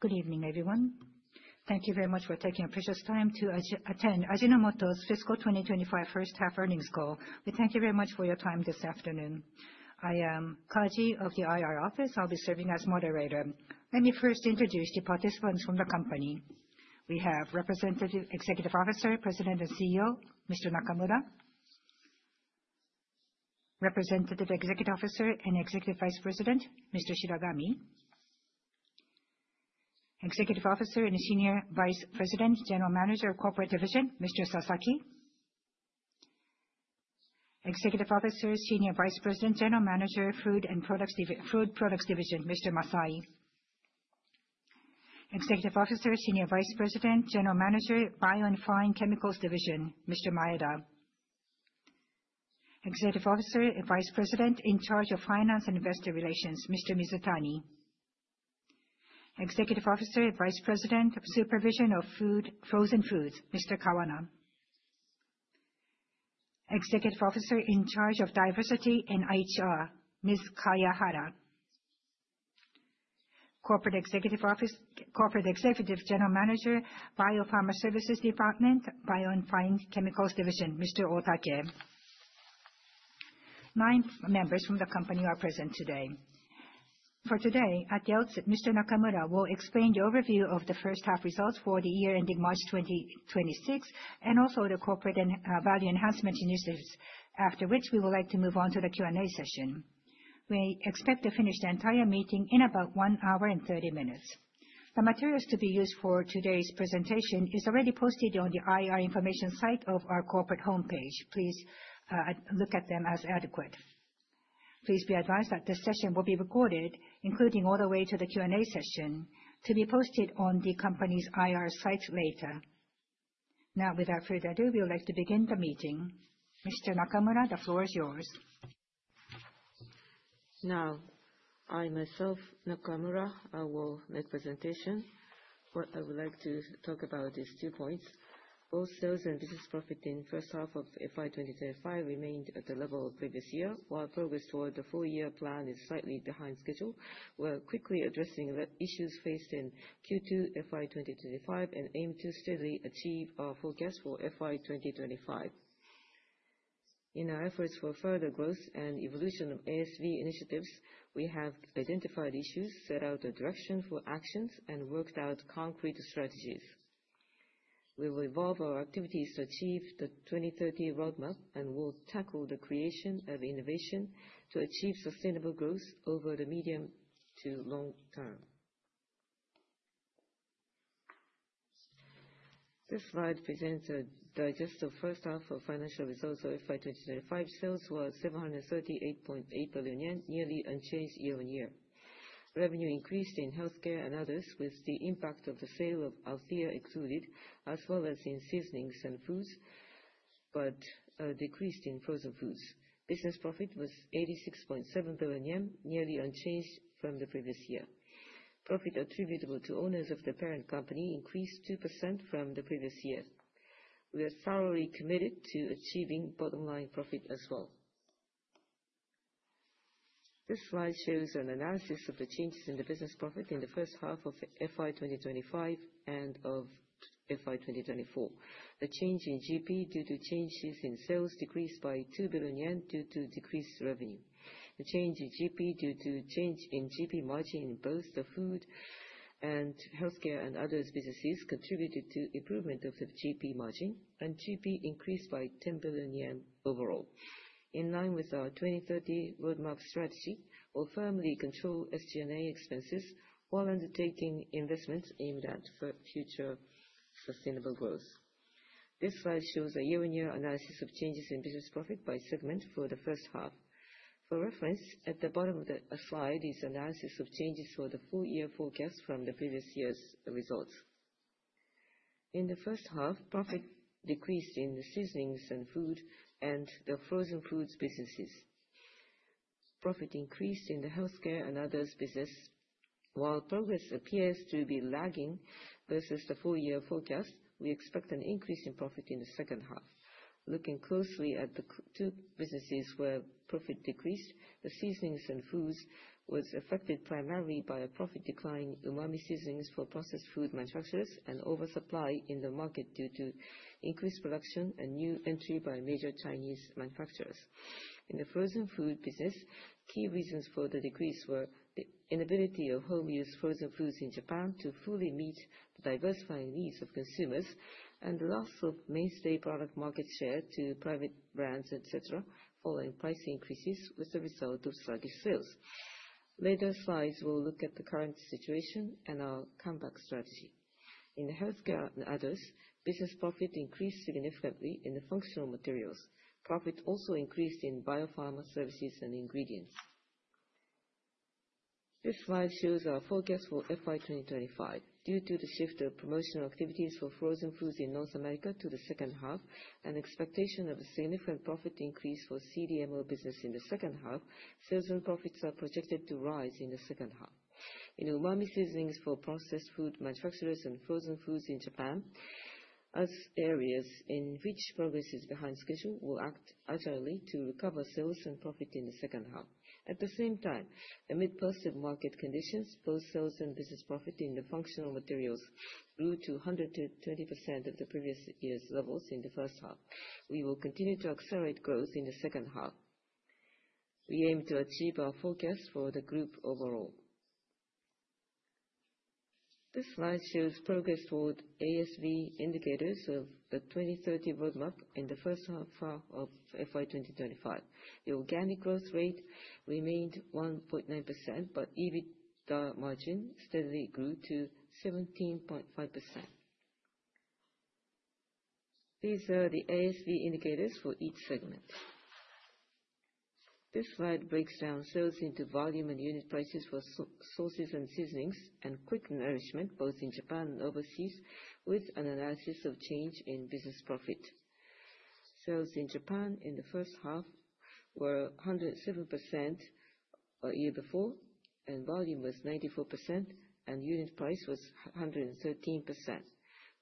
Good evening, everyone. Thank you very much for taking a precious time to attend Ajinomoto's Fiscal 2025 First Half earnings call. We thank you very much for your time this afternoon. I am Kaji of the IR Office. I'll be serving as moderator. Let me first introduce the participants from the company. We have Representative Executive Officer, President and CEO, Mr. Nakamura. Representative Executive Officer and Executive Vice President, Mr. Shiragami. Executive Officer and Senior Vice President, General Manager of Corporate Division, Mr. Sasaki. Executive Officer, Senior Vice President, General Manager, Food Products Division, Mr. Masai. Executive Officer, Senior Vice President, General Manager, Bio and Fine Chemicals Division, Mr. Maeda. Executive Officer and Vice President in Charge of Finance and Investor Relations, Mr. Mizutani. Executive Officer and Vice President in Charge of Frozen Foods, Mr. Kawana. Executive Officer in Charge of Diversity and HR, Ms. Kaji. Corporate Executive General Manager, BioPharma Services Department, Bio and Fine Chemicals Division, Mr. Otake. Nine members from the company are present today. For today, Mr. Nakamura will explain the overview of the first half results for the year ending March 2026 and also the corporate value enhancement initiatives, after which we would like to move on to the Q&A session. We expect to finish the entire meeting in about one hour and 30 minutes. The materials to be used for today's presentation are already posted on the IR information site of our corporate homepage. Please look at them as adequate. Please be advised that this session will be recorded, including all the way to the Q&A session, to be posted on the company's IR site later. Now, without further ado, we would like to begin the meeting. Mr. Nakamura, the floor is yours. Now, I myself, Nakamura, will make a presentation. What I would like to talk about is two points. All sales and business profit in the first half of FY 2025 remained at the level of the previous year, while progress toward the full-year plan is slightly behind schedule. We are quickly addressing issues faced in Q2 FY 2025 and aim to steadily achieve our forecast for FY 2025. In our efforts for further growth and evolution of ASV initiatives, we have identified issues, set out a direction for actions, and worked out concrete strategies. We will evolve our activities to achieve the 2030 roadmap and will tackle the creation of innovation to achieve sustainable growth over the medium to long term. This slide presents a digest of the first half of financial results of FY 2025. Sales were 738.8 billion yen, nearly unchanged year on year. Revenue increased in healthcare and others, with the impact of the sale of Althea excluded, as well as in seasonings and foods, but decreased in frozen foods. Business profit was 86.7 billion yen, nearly unchanged from the previous year. Profit attributable to owners of the parent company increased 2% from the previous year. We are thoroughly committed to achieving bottom-line profit as well. This slide shows an analysis of the changes in the business profit in the first half of FY 2025 and of FY 2024. The change in GP due to changes in sales decreased by 2 billion yen due to decreased revenue. The change in GP due to change in GP margin in both the food and healthcare and others businesses contributed to improvement of the GP margin, and GP increased by 10 billion yen overall. In line with our 2030 roadmap strategy, we'll firmly control SG&A expenses while undertaking investments aimed at future sustainable growth. This slide shows a year-on-year analysis of changes in business profit by segment for the first half. For reference, at the bottom of the slide is an analysis of changes for the full-year forecast from the previous year's results. In the first half, profit decreased in the seasonings and foods and the frozen foods businesses. Profit increased in the healthcare and others business. While progress appears to be lagging versus the full-year forecast, we expect an increase in profit in the second half. Looking closely at the two businesses where profit decreased, the seasonings and foods was affected primarily by a profit decline in umami seasonings for processed food manufacturers and oversupply in the market due to increased production and new entry by major Chinese manufacturers. In the frozen foods business, key reasons for the decrease were the inability of home-use frozen foods in Japan to fully meet the diversifying needs of consumers and the loss of mainstay product market share to private brands, etc., following price increases, was the result of sluggish sales. Later slides will look at the current situation and our comeback strategy. In the healthcare and others business, profit increased significantly in the functional materials. Profit also increased in biopharma services and ingredients. This slide shows our forecast for FY 2025. Due to the shift of promotional activities for frozen foods in North America to the second half and expectation of a significant profit increase for CDMO business in the second half, sales and profits are projected to rise in the second half. In umami seasonings for processed food manufacturers and frozen foods in Japan, as areas in which progress is behind schedule, we'll act urgently to recover sales and profit in the second half. At the same time, amid positive market conditions, both sales and business profit in the functional materials grew to 120% of the previous year's levels in the first half. We will continue to accelerate growth in the second half. We aim to achieve our forecast for the group overall. This slide shows progress toward ASV indicators of the 2030 roadmap in the first half of FY 2025. The organic growth rate remained 1.9%, but EBITDA margin steadily grew to 17.5%. These are the ASV indicators for each segment. This slide breaks down sales into volume and unit prices for soups and seasonings and quick nourishment, both in Japan and overseas, with an analysis of change in business profit. Sales in Japan in the first half were 107% a year before, and volume was 94%, and unit price was 113%.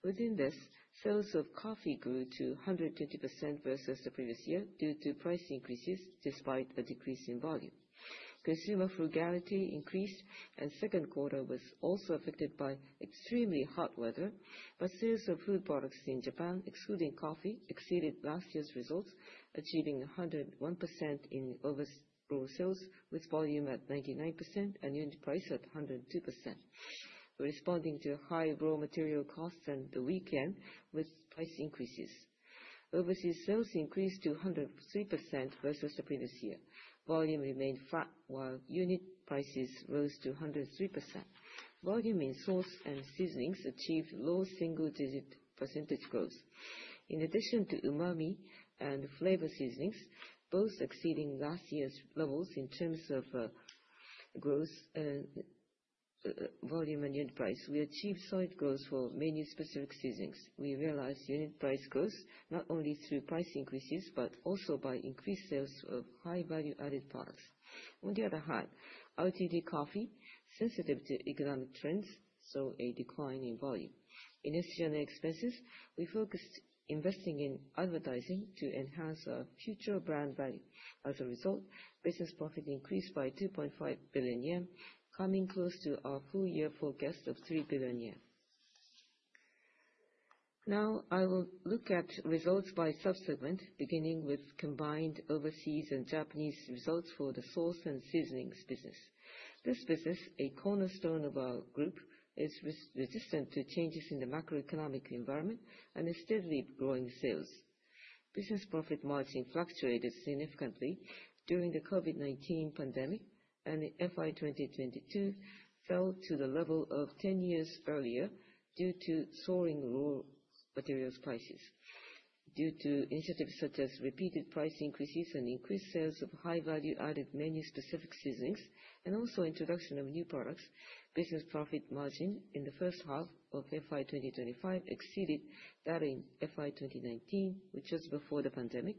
Within this, sales of coffee grew to 120% versus the previous year due to price increases despite a decrease in volume. Consumer frugality increased, and the second quarter was also affected by extremely hot weather, but sales of food products in Japan, excluding coffee, exceeded last year's results, achieving 101%. In overseas sales with volume at 99% and unit price at 102%, responding to high raw material costs and the weak yen with price increases. Overseas sales increased to 103% versus the previous year. Volume remained flat while unit prices rose to 103%. Volume in sauces and seasonings achieved low single-digit % growth. In addition to umami and flavor seasonings, both exceeding last year's levels in terms of growth and volume and unit price, we achieved solid growth for many specific seasonings. We realized unit price growth not only through price increases but also by increased sales of high-value-added products. On the other hand, OTD coffee is sensitive to economic trends, so a decline in volume. In SG&A expenses, we focused investing in advertising to enhance our future brand value. As a result, business profit increased by 2.5 billion yen, coming close to our full-year forecast of 3 billion yen. Now, I will look at results by subsegment, beginning with combined overseas and Japanese results for the soup and seasonings business. This business, a cornerstone of our group, is resistant to changes in the macroeconomic environment and is steadily growing sales. Business profit margin fluctuated significantly during the COVID-19 pandemic, and FY 2022 fell to the level of 10 years earlier due to soaring raw materials prices. Due to initiatives such as repeated price increases and increased sales of high-value-added menu-specific seasonings, and also introduction of new products, business profit margin in the first half of FY 2025 exceeded that in FY 2019, which was before the pandemic.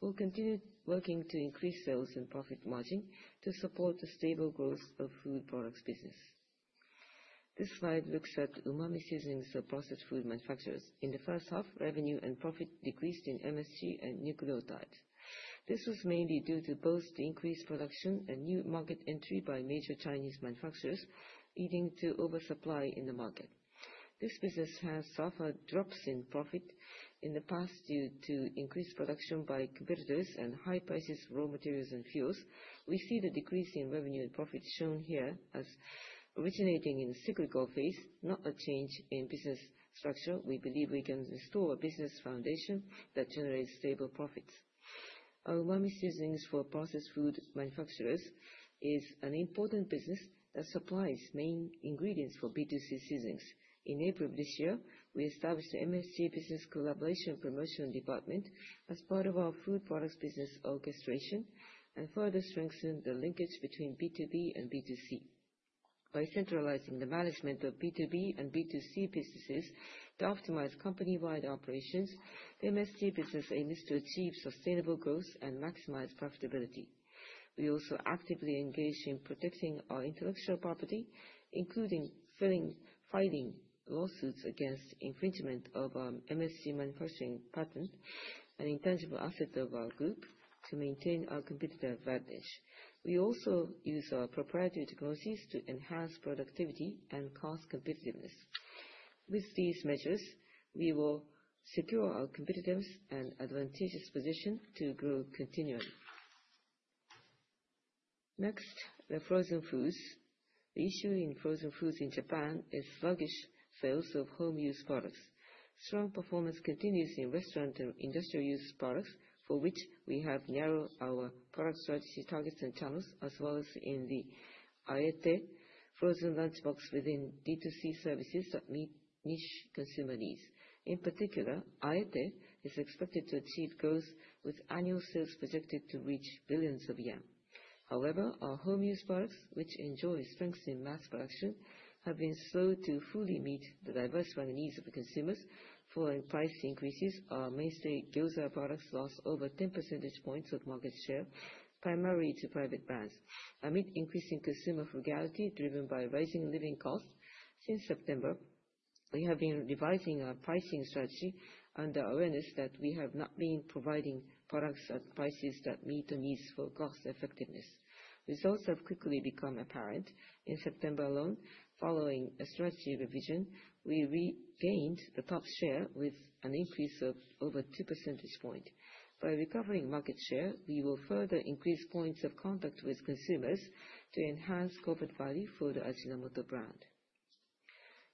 We'll continue working to increase sales and profit margin to support the stable growth of food products business. This slide looks at umami seasonings for processed food manufacturers. In the first half, revenue and profit decreased in MSG and nucleotides. This was mainly due to both the increased production and new market entry by major Chinese manufacturers, leading to oversupply in the market. This business has suffered drops in profit in the past due to increased production by competitors and high prices of raw materials and fuels. We see the decrease in revenue and profit shown here as originating in a cyclical phase, not a change in business structure. We believe we can restore a business foundation that generates stable profits. Umami seasonings for processed food manufacturers is an important business that supplies main ingredients for B2C seasonings. In April of this year, we established the MSG Business Collaboration Promotion Department as part of our food products business orchestration and further strengthened the linkage between B2B and B2C. By centralizing the management of B2B and B2C businesses to optimize company-wide operations, the MSG business aims to achieve sustainable growth and maximize profitability. We also actively engage in protecting our intellectual property, including filing lawsuits against infringement of our MSG manufacturing patent and intangible assets of our group to maintain our competitive advantage. We also use our proprietary technologies to enhance productivity and cost competitiveness. With these measures, we will secure our competitive and advantageous position to grow continually. Next, the frozen foods. The issue in frozen foods in Japan is sluggish sales of home-used products. Strong performance continues in restaurant and industrial used products, for which we have narrowed our product strategy targets and channels, as well as in the Aete frozen lunchbox within D2C services that meet niche consumer needs. In particular, Aete is expected to achieve growth with annual sales projected to reach billions of yen. However, our home-used products, which enjoy strength in mass production, have been slow to fully meet the diversified needs of consumers. Following price increases, our mainstay gyoza products lost over 10 percentage points of market share, primarily to private brands. Amid increasing consumer frugality driven by rising living costs since September, we have been revising our pricing strategy under awareness that we have not been providing products at prices that meet the needs for cost effectiveness. Results have quickly become apparent. In September alone, following a strategy revision, we regained the top share with an increase of over two percentage points. By recovering market share, we will further increase points of contact with consumers to enhance corporate value for the Ajinomoto brand.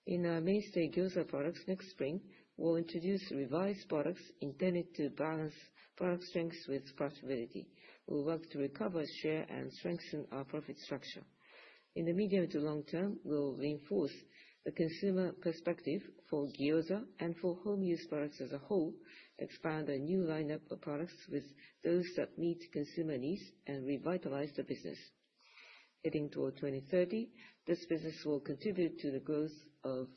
In our mainstay gyoza products next spring, we'll introduce revised products intended to balance product strengths with profitability. We'll work to recover share and strengthen our profit structure. In the medium to long term, we'll reinforce the consumer perspective for gyoza and for home-used products as a whole, expand a new lineup of products with those that meet consumer needs, and revitalize the business. Heading toward 2030, this business will contribute to the growth of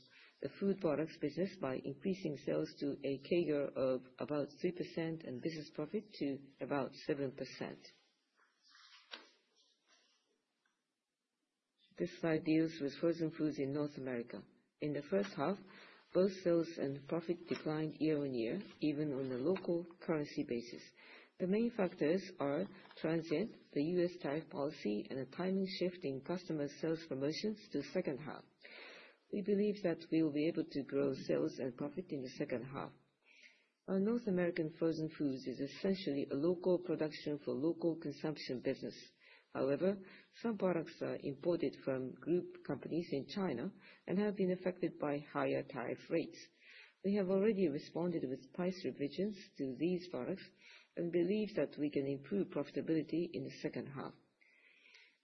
the food products business by increasing sales to a CAGR of about 3% and business profit to about 7%. This slide deals with frozen foods in North America. In the first half, both sales and profit declined year on year, even on a local currency basis. The main factors are transient, the U.S. tariff policy, and a timing shift in customer sales promotions to second half. We believe that we will be able to grow sales and profit in the second half. Our North American frozen foods is essentially a local production for local consumption business. However, some products are imported from group companies in China and have been affected by higher tariff rates. We have already responded with price revisions to these products and believe that we can improve profitability in the second half.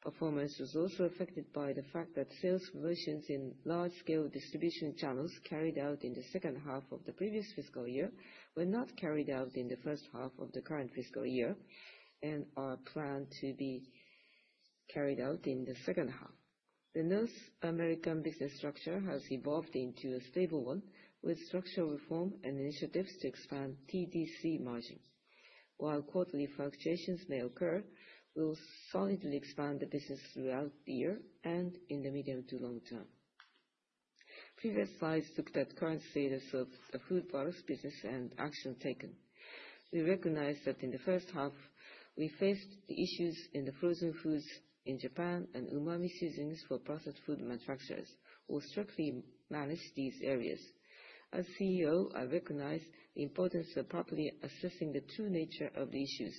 Performance was also affected by the fact that sales promotions in large-scale distribution channels carried out in the second half of the previous fiscal year were not carried out in the first half of the current fiscal year and are planned to be carried out in the second half. The North American business structure has evolved into a stable one with structural reform and initiatives to expand TDC margin. While quarterly fluctuations may occur, we'll solidly expand the business throughout the year and in the medium to long term. Previous slides looked at current status of the food products business and action taken. We recognize that in the first half, we faced the issues in the frozen foods in Japan and umami seasonings for processed food manufacturers. We'll strictly manage these areas. As CEO, I recognize the importance of properly assessing the true nature of the issues.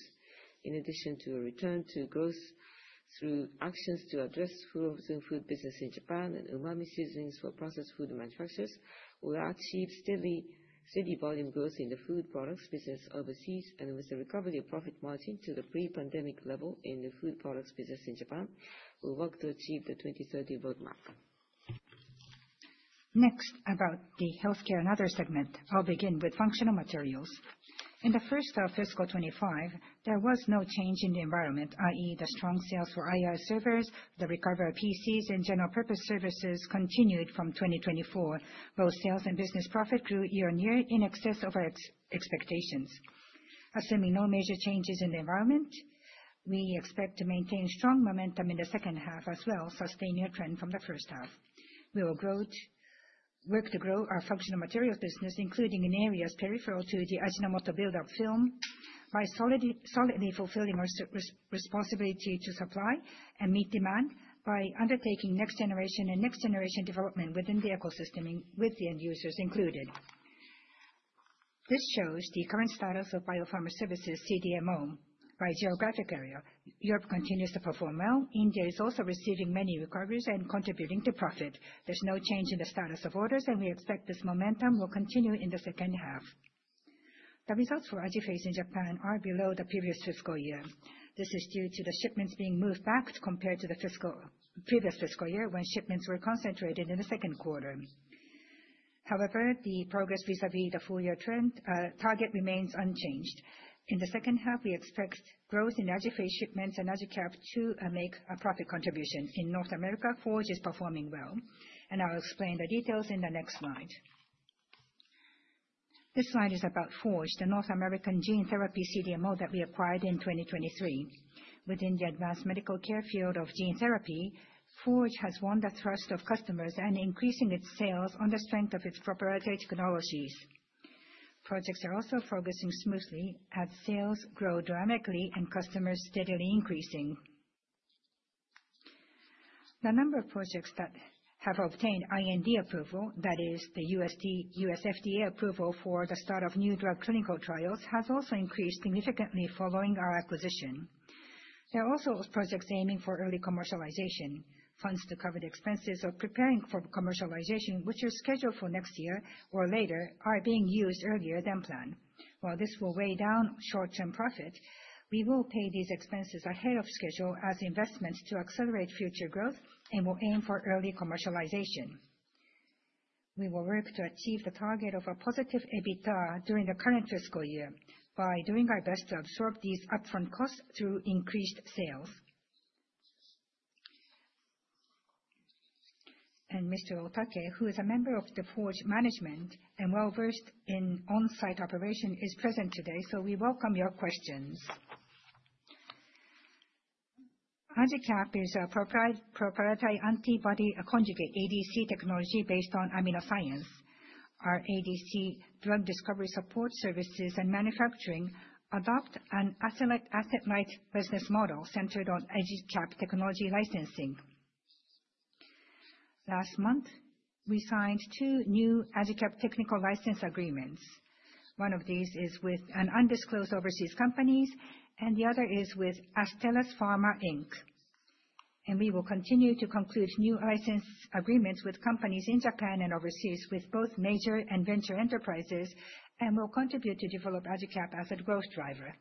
In addition to a return to growth through actions to address frozen food business in Japan and umami seasonings for processed food manufacturers, we'll achieve steady volume growth in the food products business overseas and with the recovery of profit margin to the pre-pandemic level in the food products business in Japan. We'll work to achieve the 2030 roadmap. Next, about the healthcare and other segment, I'll begin with functional materials. In the first half of fiscal 25, there was no change in the environment, i.e., the strong sales for AI servers, the recovery of PCs, and general-purpose semis continued from 2024. Both sales and business profit grew year-on-year in excess of our expectations. Assuming no major changes in the environment, we expect to maintain strong momentum in the second half as well, sustaining a trend from the first half. We will work to grow our functional materials business, including in areas peripheral to the Ajinomoto Build-up Film, by solidly fulfilling our responsibility to supply and meet demand by undertaking next-generation development within the ecosystem with the end users included. This shows the current status of biopharmaceuticals, CDMO, by geographic area. Europe continues to perform well. India is also receiving many recoveries and contributing to profit. There's no change in the status of orders, and we expect this momentum will continue in the second half. The results for Ajiface in Japan are below the previous fiscal year. This is due to the shipments being moved back compared to the previous fiscal year when shipments were concentrated in the second quarter. However, the progress vis-à-vis the full-year trend target remains unchanged. In the second half, we expect growth in Ajiface shipments and Ajikap to make a profit contribution. In North America, Forge is performing well, and I'll explain the details in the next slide. This slide is about Forge, the North American gene therapy CDMO that we acquired in 2023. Within the advanced medical care field of gene therapy, Forge has won the trust of customers and increasing its sales on the strength of its proprietary technologies. Projects are also progressing smoothly as sales grow dramatically and customers steadily increasing. The number of projects that have obtained IND approval, that is, the FDA approval for the start of new drug clinical trials, has also increased significantly following our acquisition. There are also projects aiming for early commercialization. Funds to cover the expenses of preparing for commercialization, which are scheduled for next year or later, are being used earlier than planned. While this will weigh down short-term profit, we will pay these expenses ahead of schedule as investments to accelerate future growth and will aim for early commercialization. We will work to achieve the target of a positive EBITDA during the current fiscal year by doing our best to absorb these upfront costs through increased sales. Mr. Otake, who is a member of the Forge management and well-versed in on-site operation, is present today, so we welcome your questions. AJICAP is a proprietary antibody conjugate, ADC, technology based on amino science. Our ADC drug discovery support services and manufacturing adopt an asset-light business model centered on AJICAP technology licensing. Last month, we signed two new AJICAP technical license agreements. One of these is with undisclosed overseas companies, and the other is with Astellas Pharma Inc. We will continue to conclude new license agreements with companies in Japan and overseas with both major and venture enterprises and will contribute to develop AJICAP as a growth driver.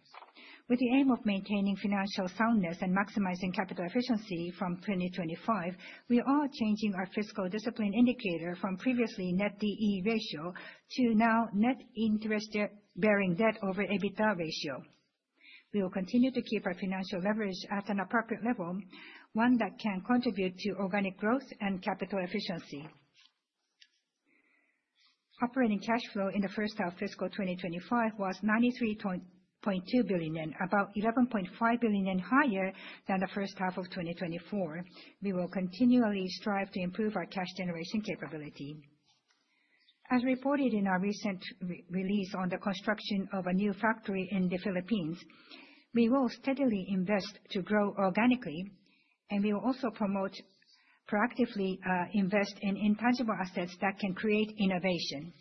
With the aim of maintaining financial soundness and maximizing capital efficiency from 2025, we are changing our fiscal discipline indicator from previously net D/E ratio to now net debt-to-EBITDA ratio. We will continue to keep our financial leverage at an appropriate level, one that can contribute to organic growth and capital efficiency. Operating cash flow in the first half of fiscal 2025 was 93.2 billion, about 11.5 billion higher than the first half of 2024. We will continually strive to improve our cash generation capability. As reported in our recent release on the construction of a new factory in the Philippines, we will steadily invest to grow organically, and we will also proactively invest in intangible assets that can create innovation.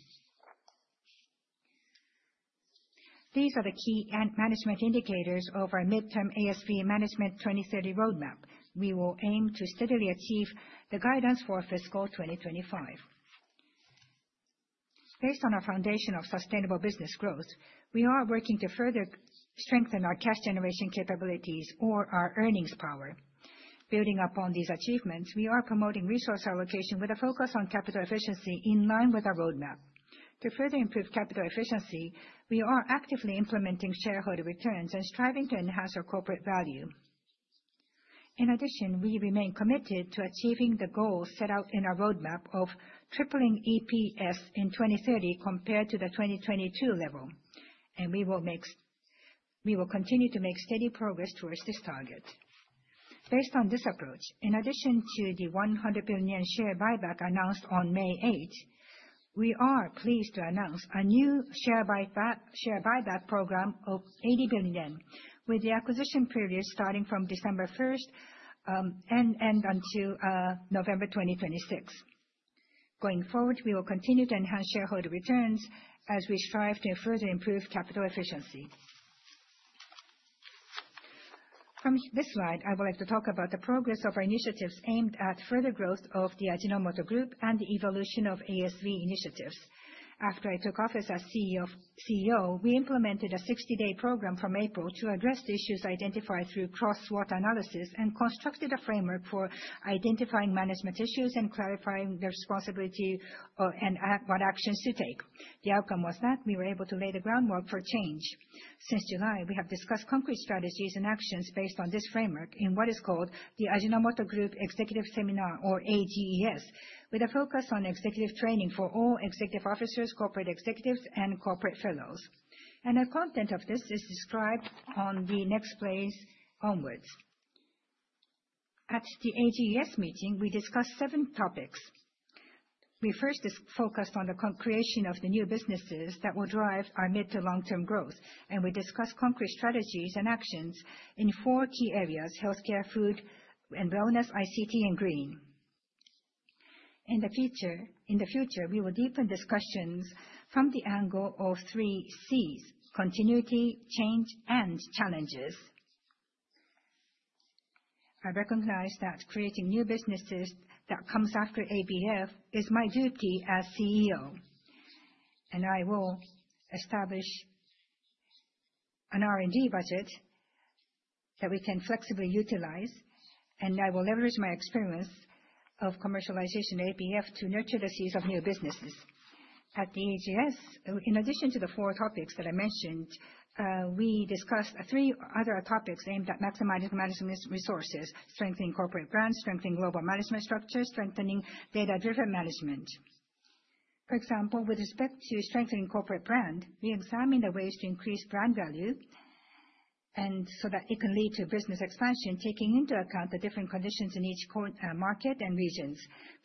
These are the key management indicators of our midterm ASV management 2030 roadmap. We will aim to steadily achieve the guidance for fiscal 2025. Based on our foundation of sustainable business growth, we are working to further strengthen our cash generation capabilities or our earnings power. Building upon these achievements, we are promoting resource allocation with a focus on capital efficiency in line with our roadmap. To further improve capital efficiency, we are actively implementing shareholder returns and striving to enhance our corporate value. In addition, we remain committed to achieving the goals set out in our roadmap of tripling EPS in 2030 compared to the 2022 level, and we will continue to make steady progress towards this target. Based on this approach, in addition to the 100 billion share buyback announced on May 8, we are pleased to announce a new share buyback program of 80 billion, with the acquisition period starting from December 1 and ending until November 2026. Going forward, we will continue to enhance shareholder returns as we strive to further improve capital efficiency. From this slide, I would like to talk about the progress of our initiatives aimed at further growth of the Ajinomoto Group and the evolution of ASV initiatives. After I took office as CEO, we implemented a 60-day program from April to address the issues identified through cross-functional analysis and constructed a framework for identifying management issues and clarifying the responsibility and what actions to take. The outcome was that we were able to lay the groundwork for change. Since July, we have discussed concrete strategies and actions based on this framework in what is called the Ajinomoto Group Executive Seminar, or AGES, with a focus on executive training for all executive officers, corporate executives, and corporate fellows. And the content of this is described on the next page onwards. At the AGES meeting, we discussed seven topics. We first focused on the creation of the new businesses that will drive our mid- to long-term growth, and we discussed concrete strategies and actions in four key areas: healthcare, food and wellness, ICT, and green. In the future, we will deepen discussions from the angle of three C's: continuity, change, and challenges. I recognize that creating new businesses that comes after ABF is my duty as CEO, and I will establish an R&D budget that we can flexibly utilize, and I will leverage my experience of commercialization of ABF to nurture the seeds of new businesses. At the AGES, in addition to the four topics that I mentioned, we discussed three other topics aimed at maximizing management resources: strengthening corporate brand, strengthening global management structure, and strengthening data-driven management. For example, with respect to strengthening corporate brand, we examined the ways to increase brand value so that it can lead to business expansion, taking into account the different conditions in each market and regions.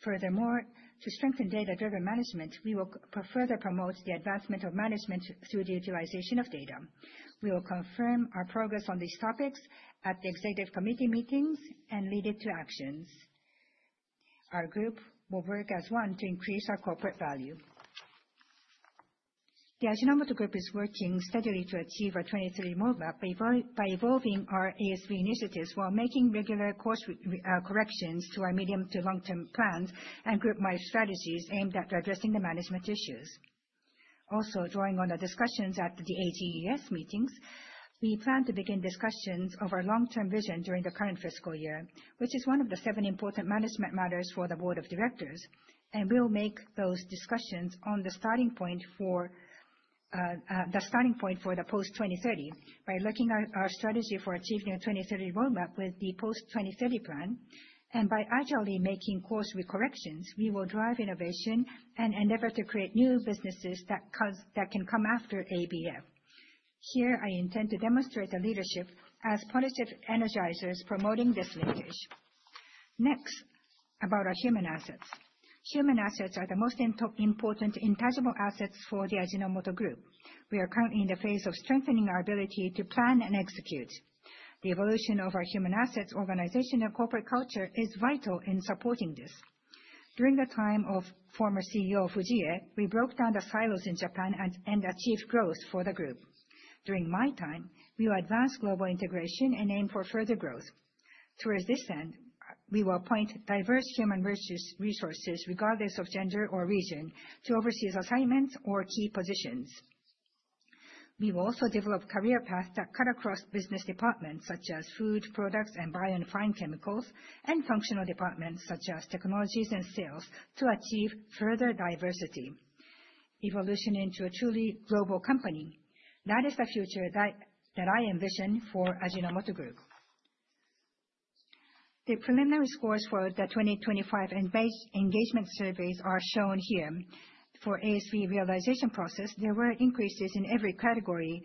Furthermore, to strengthen data-driven management, we will further promote the advancement of management through the utilization of data. We will confirm our progress on these topics at the executive committee meetings and lead it to actions. Our group will work as one to increase our corporate value. The Ajinomoto Group is working steadily to achieve our 2030 roadmap by evolving our ASV initiatives while making regular course corrections to our medium to long-term plans and group-wide strategies aimed at addressing the management issues. Also, drawing on the discussions at the AGES meetings, we plan to begin discussions of our long-term vision during the current fiscal year, which is one of the seven important management matters for the board of directors, and we'll make those discussions on the starting point for the post-2030 by looking at our strategy for achieving a 2030 roadmap with the post-2030 plan, and by agilely making course corrections, we will drive innovation and endeavor to create new businesses that can come after ABF. Here, I intend to demonstrate the leadership as positive energizers promoting this linkage. Next, about our human assets. Human assets are the most important intangible assets for the Ajinomoto Group. We are currently in the phase of strengthening our ability to plan and execute. The evolution of our human assets, organization, and corporate culture is vital in supporting this. During the time of former CEO Fujie, we broke down the silos in Japan and achieved growth for the group. During my time, we will advance global integration and aim for further growth. Towards this end, we will appoint diverse human resources regardless of gender or region to overseas assignments or key positions. We will also develop career paths that cut across business departments such as food, products, and bio and fine chemicals, and functional departments such as technologies and sales to achieve further diversity. Evolution into a truly global company. That is the future that I envision for Ajinomoto Group. The preliminary scores for the 2025 engagement surveys are shown here. For ASV realization process, there were increases in every category,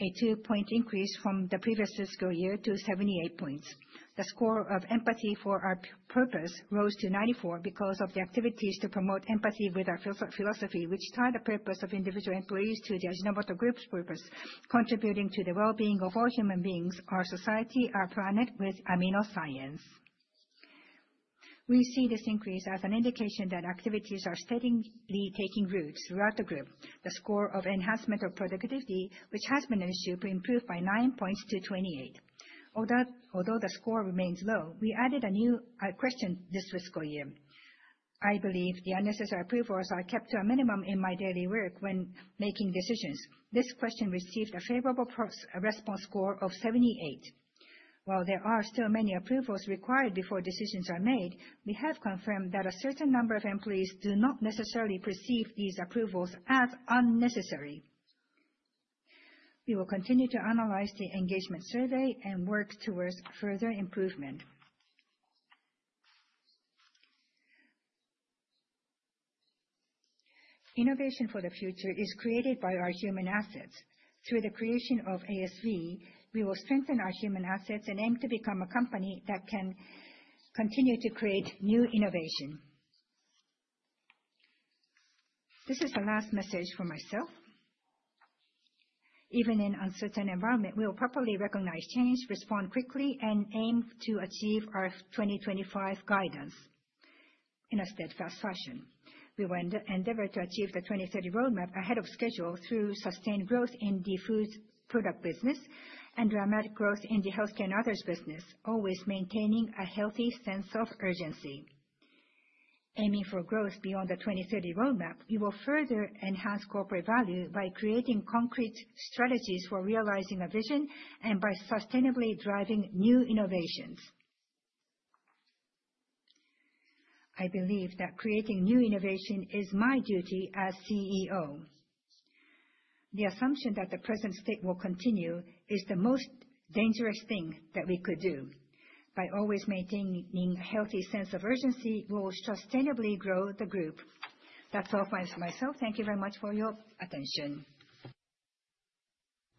a two-point increase from the previous fiscal year to 78 points. The score of empathy for our purpose rose to 94 because of the activities to promote empathy with our philosophy, which tied the purpose of individual employees to the Ajinomoto Group's purpose, contributing to the well-being of all human beings, our society, our planet with amino science. We see this increase as an indication that activities are steadily taking roots throughout the group. The score of enhancement of productivity, which has been an issue, improved by 9 points to 28. Although the score remains low, we added a new question this fiscal year. I believe the unnecessary approvals are kept to a minimum in my daily work when making decisions. This question received a favorable response score of 78. While there are still many approvals required before decisions are made, we have confirmed that a certain number of employees do not necessarily perceive these approvals as unnecessary. We will continue to analyze the engagement survey and work towards further improvement. Innovation for the future is created by our human assets. Through the creation of ASV, we will strengthen our human assets and aim to become a company that can continue to create new innovation. This is the last message for myself. Even in an uncertain environment, we will properly recognize change, respond quickly, and aim to achieve our 2025 guidance in a steadfast fashion. We will endeavor to achieve the 2030 roadmap ahead of schedule through sustained growth in the food product business and dramatic growth in the healthcare and others business, always maintaining a healthy sense of urgency. Aiming for growth beyond the 2030 roadmap, we will further enhance corporate value by creating concrete strategies for realizing a vision and by sustainably driving new innovations. I believe that creating new innovation is my duty as CEO. The assumption that the present state will continue is the most dangerous thing that we could do. By always maintaining a healthy sense of urgency, we will sustainably grow the group. That's all from myself. Thank you very much for your attention.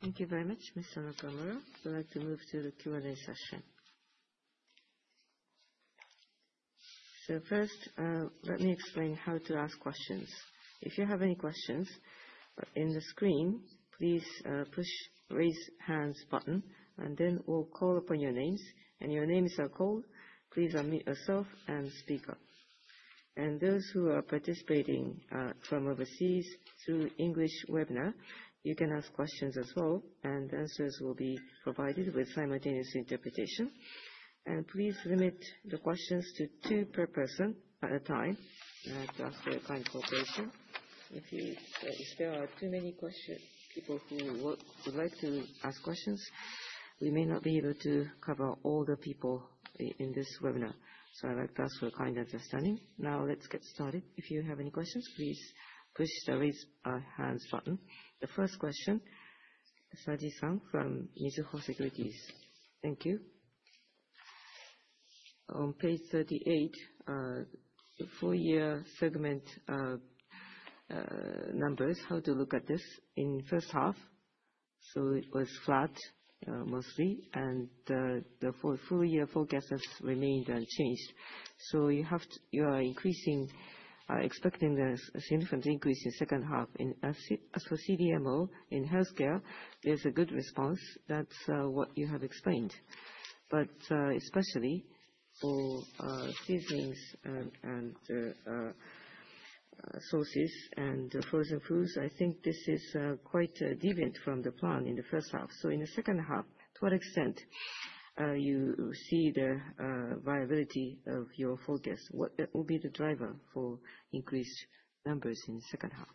Thank you very much, Ms. Sano Kamura. I would like to move to the Q&A session. So first, let me explain how to ask questions. If you have any questions in the screen, please push the raise hands button, and then we'll call upon your names, and your names are called, please unmute yourself and speak up, and those who are participating from overseas through English webinar, you can ask questions as well, and answers will be provided with simultaneous interpretation, and please limit the questions to two per person at a time. I'd like to ask for your kind cooperation. If there are too many people who would like to ask questions, we may not be able to cover all the people in this webinar, so I'd like to ask for your kind understanding. Now let's get started. If you have any questions, please push the raise hands button. The first question, Saji-san from Mizuho Securities. Thank you. On page 38, four-year segment numbers, how to look at this in first half. It was flat mostly, and the full-year forecast has remained unchanged. You are expecting a significant increase in the second half. As for CDMO in healthcare, there's a good response. That's what you have explained. Especially for seasonings and sauces and frozen foods, I think this is quite deviant from the plan in the first half. In the second half, to what extent do you see the viability of your forecast? What will be the driver for increased numbers in the second half?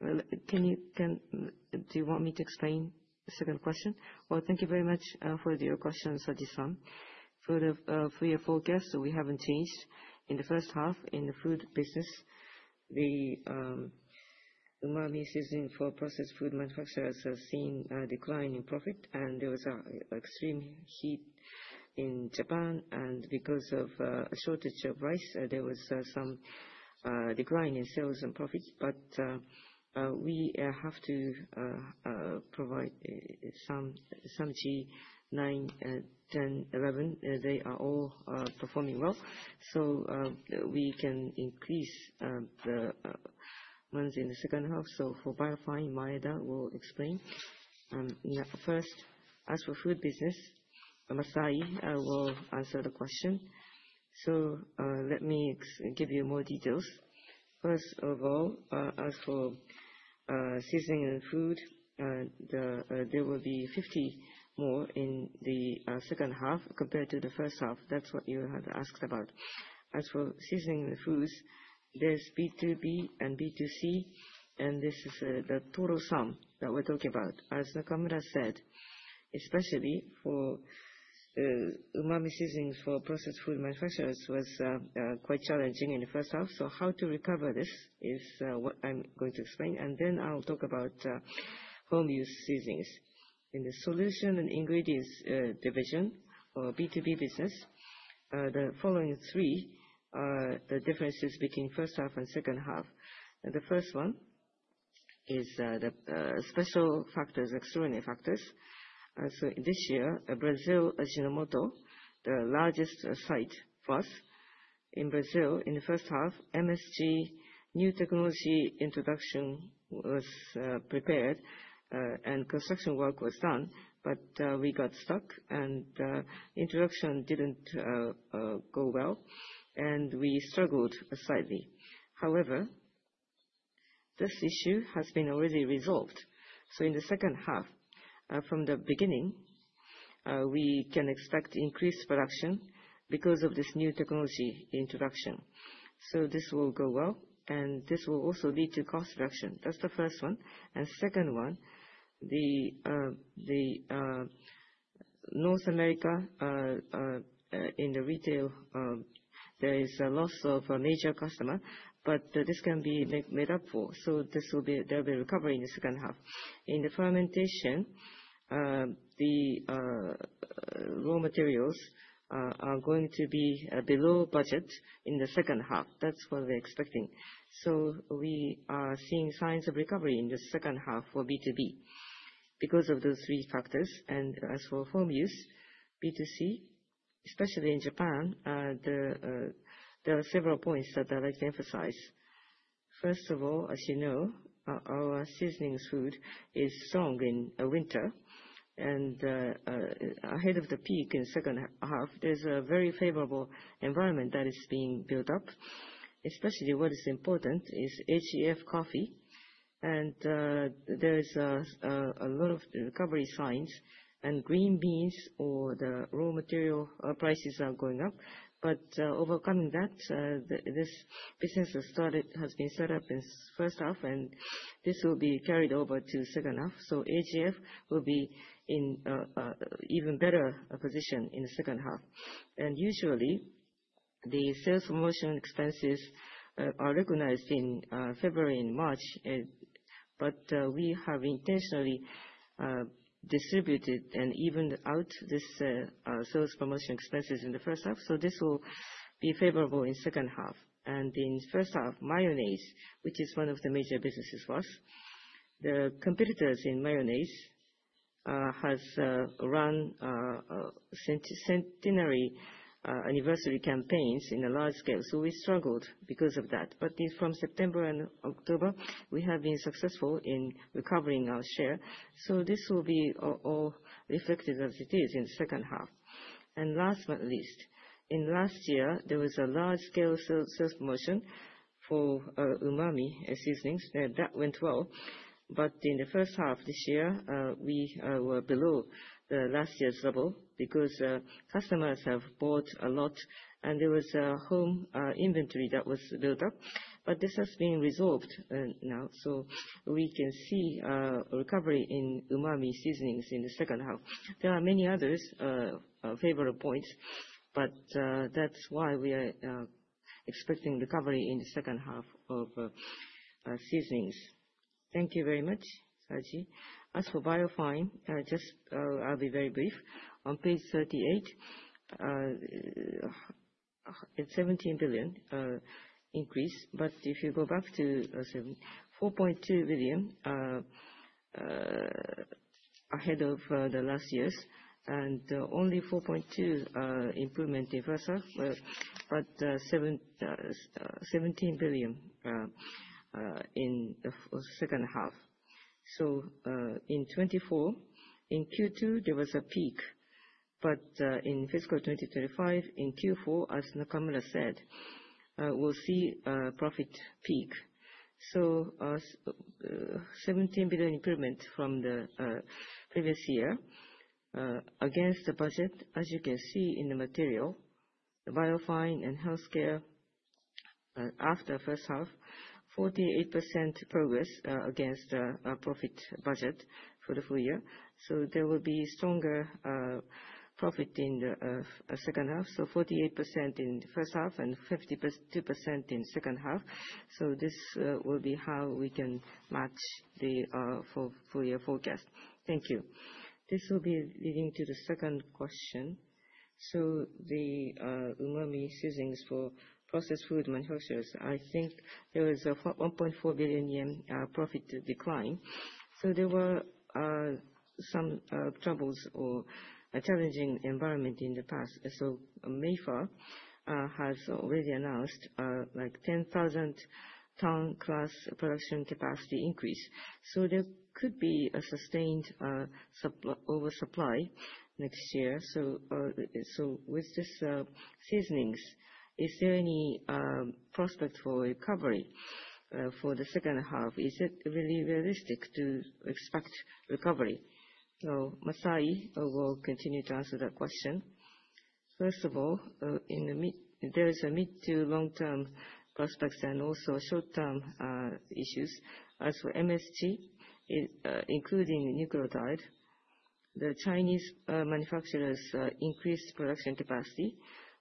Do you want me to explain the second question? Thank you very much for your question, Saji-san. For your forecast, we haven't changed. In the first half, in the food business, the umami seasonings for processed food manufacturers has seen a decline in profit, and there was an extreme heat in Japan. And because of a shortage of rice, there was some decline in sales and profit. But we have to provide some G9, 10, 11. They are all performing well. So we can increase the ones in the second half. So for Bio-Fine Maeda, we'll explain. First, as for food business, Masai will answer the question. So let me give you more details. First of all, as for seasoning and food, there will be 50 more in the second half compared to the first half. That's what you had asked about. As for seasoning and foods, there's B2B and B2C, and this is the total sum that we're talking about. As Nakamura said, especially for umami seasoning for processed food manufacturers, it was quite challenging in the first half. So how to recover this is what I'm going to explain. And then I'll talk about home-use seasonings. In the solution and ingredients division or B2B business, the following three are the differences between first half and second half. The first one is the special factors, extraordinary factors, so this year, Brazil, Ajinomoto, the largest site for us in Brazil, in the first half, MSG new technology introduction was prepared and construction work was done, but we got stuck and the introduction didn't go well and we struggled slightly. However, this issue has been already resolved, so in the second half, from the beginning, we can expect increased production because of this new technology introduction, so this will go well and this will also lead to cost reduction. That's the first one, and second one, the North America in the retail, there is a loss of a major customer, but this can be made up for, so there will be a recovery in the second half. In the fermentation, the raw materials are going to be below budget in the second half. That's what we're expecting. So we are seeing signs of recovery in the second half for B2B because of those three factors. And as for home use, B2C, especially in Japan, there are several points that I'd like to emphasize. First of all, as you know, our seasoning food is strong in winter. And ahead of the peak in the second half, there's a very favorable environment that is being built up. Especially what is important is AGF coffee. And there's a lot of recovery signs and green beans or the raw material prices are going up. But overcoming that, this business has been set up in first half and this will be carried over to the second half. So AGF will be in an even better position in the second half. Usually, the sales promotion expenses are recognized in February and March. We have intentionally distributed and evened out these sales promotion expenses in the first half. This will be favorable in the second half. In the first half, mayonnaise, which is one of the major businesses for us, the competitors in mayonnaise have run centenary anniversary campaigns on a large scale. We struggled because of that. From September and October, we have been successful in recovering our share. This will be all reflected as it is in the second half. Last but not least, in last year, there was a large-scale sales promotion for umami seasonings that went well. In the first half of this year, we were below last year's level because customers have bought a lot and there was a home inventory that was built up. But this has been resolved now. So we can see a recovery in umami seasonings in the second half. There are many other favorable points, but that's why we are expecting recovery in the second half of seasonings. Thank you very much, Saji. As for Biofine, just I'll be very brief. On page 38, it's 17 billion increase. But if you go back to 4.2 billion ahead of the last years, and only 4.2 billion improvement in first half, but 17 billion in the second half. So in Q4, in Q2, there was a peak. But in fiscal 2025, in Q4, as Nakamura said, we'll see a profit peak. So 17 billion improvement from the previous year against the budget, as you can see in the material, the Biofine and healthcare after the first half, 48% progress against the profit budget for the full year. So there will be stronger profit in the second half. So 48% in the first half and 52% in the second half. So this will be how we can match the full-year forecast. Thank you. This will be leading to the second question. So the umami seasonings for processed food manufacturers, I think there was a 1.4 billion yen profit decline. So there were some troubles or a challenging environment in the past. So MIFA has already announced like 10,000-ton-class production capacity increase. So there could be a sustained oversupply next year. So with these seasonings, is there any prospect for recovery for the second half? Is it really realistic to expect recovery? So Masai will continue to answer that question. First of all, there's a mid to long-term prospects and also short-term issues. As for MSG, including nucleotide, the Chinese manufacturers' increased production capacity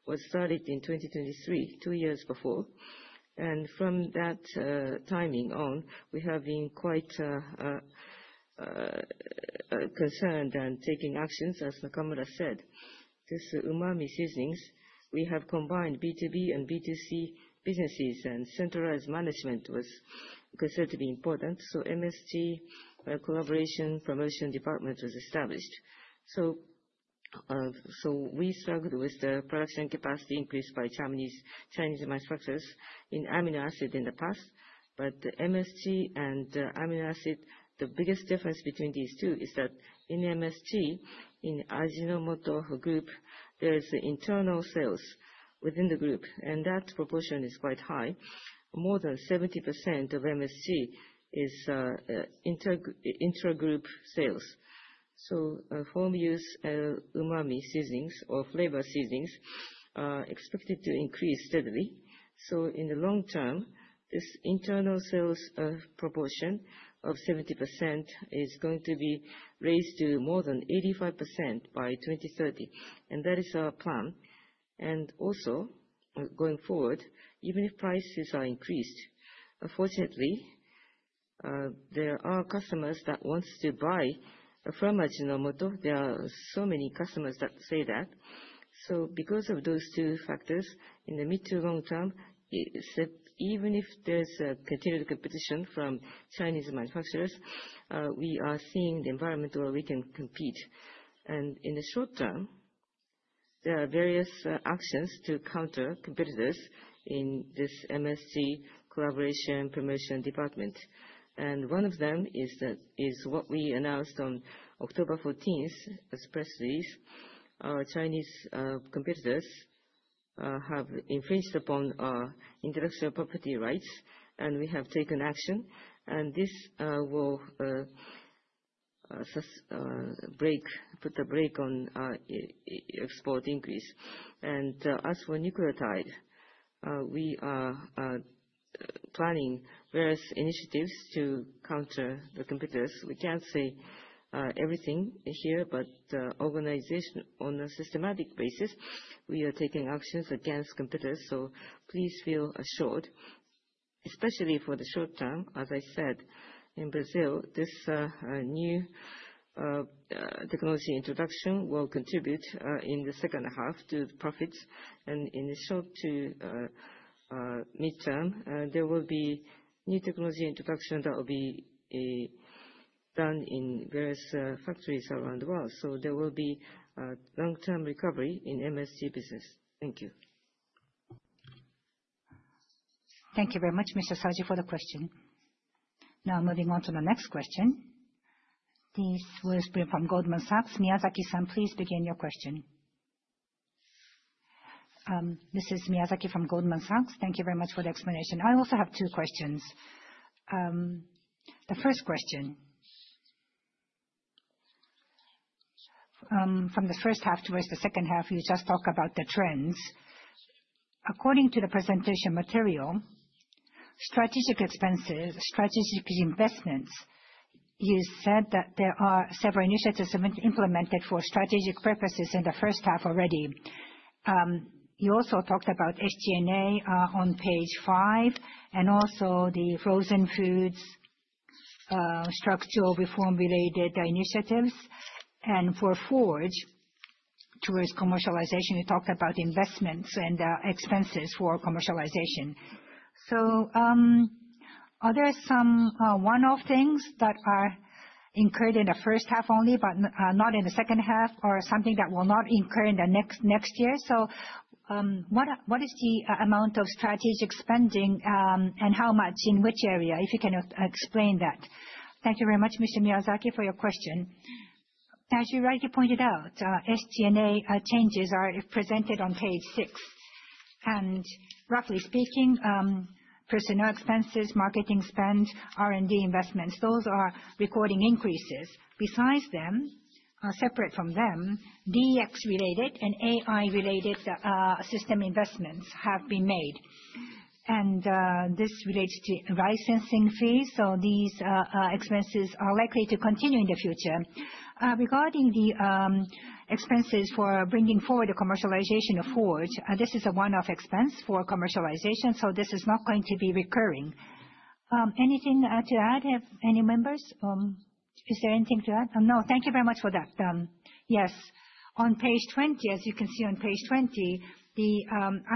was started in 2023, two years before, and from that timing on, we have been quite concerned and taking actions, as Nakamura said. This umami seasonings, we have combined B2B and B2C businesses, and centralized management was considered to be important, so MSG collaboration promotion department was established. We struggled with the production capacity increase by Chinese manufacturers in amino acid in the past, but the MSG and amino acid, the biggest difference between these two is that in MSG, in Ajinomoto Group, there's internal sales within the group, and that proportion is quite high. More than 70% of MSG is intra-group sales, so home-use umami seasonings or flavor seasonings are expected to increase steadily, so in the long term, this internal sales proportion of 70% is going to be raised to more than 85% by 2030. That is our plan. Also, going forward, even if prices are increased, unfortunately, there are customers that want to buy from Ajinomoto. There are so many customers that say that. Because of those two factors, in the mid to long term, even if there's continued competition from Chinese manufacturers, we are seeing the environment where we can compete. In the short term, there are various actions to counter competitors in this MSG collaboration promotion department. One of them is what we announced on October 14th as a press release. Chinese competitors have infringed upon our intellectual property rights, and we have taken action. This will put a brake on export increase. As for nucleotide, we are planning various initiatives to counter the competitors. We can't say everything here, but organization on a systematic basis, we are taking actions against competitors. So please feel assured, especially for the short term. As I said, in Brazil, this new technology introduction will contribute in the second half to profits. And in the short to midterm, there will be new technology introduction that will be done in various factories around the world. So there will be long-term recovery in MSG business. Thank you. Thank you very much, Mr. Saji, for the question. Now moving on to the next question. This was from Goldman Sachs. Miyazaki-san, please begin your question. This is Miyazaki from Goldman Sachs. Thank you very much for the explanation. I also have two questions. The first question, from the first half towards the second half, you just talked about the trends. According to the presentation material, strategic expenses, strategic investments, you said that there are several initiatives implemented for strategic purposes in the first half already. You also talked about SG&A on page five and also the frozen foods structural reform-related initiatives. And for Forge, towards commercialization, you talked about investments and expenses for commercialization. So are there some one-off things that are incurred in the first half only, but not in the second half, or something that will not incur in the next year? So what is the amount of strategic spending and how much in which area, if you can explain that? Thank you very much, Mr. Miyazaki, for your question. As you rightly pointed out, SG&A changes are presented on page six. And roughly speaking, personnel expenses, marketing spend, R&D investments, those are recording increases. Besides them, separate from them, DX-related and AI-related system investments have been made. And this relates to licensing fees. So these expenses are likely to continue in the future. Regarding the expenses for bringing forward the commercialization of Forge, this is a one-off expense for commercialization. So this is not going to be recurring. Anything to add? Any members? Is there anything to add? No. Thank you very much for that. Yes. On page 20, as you can see on page 20, the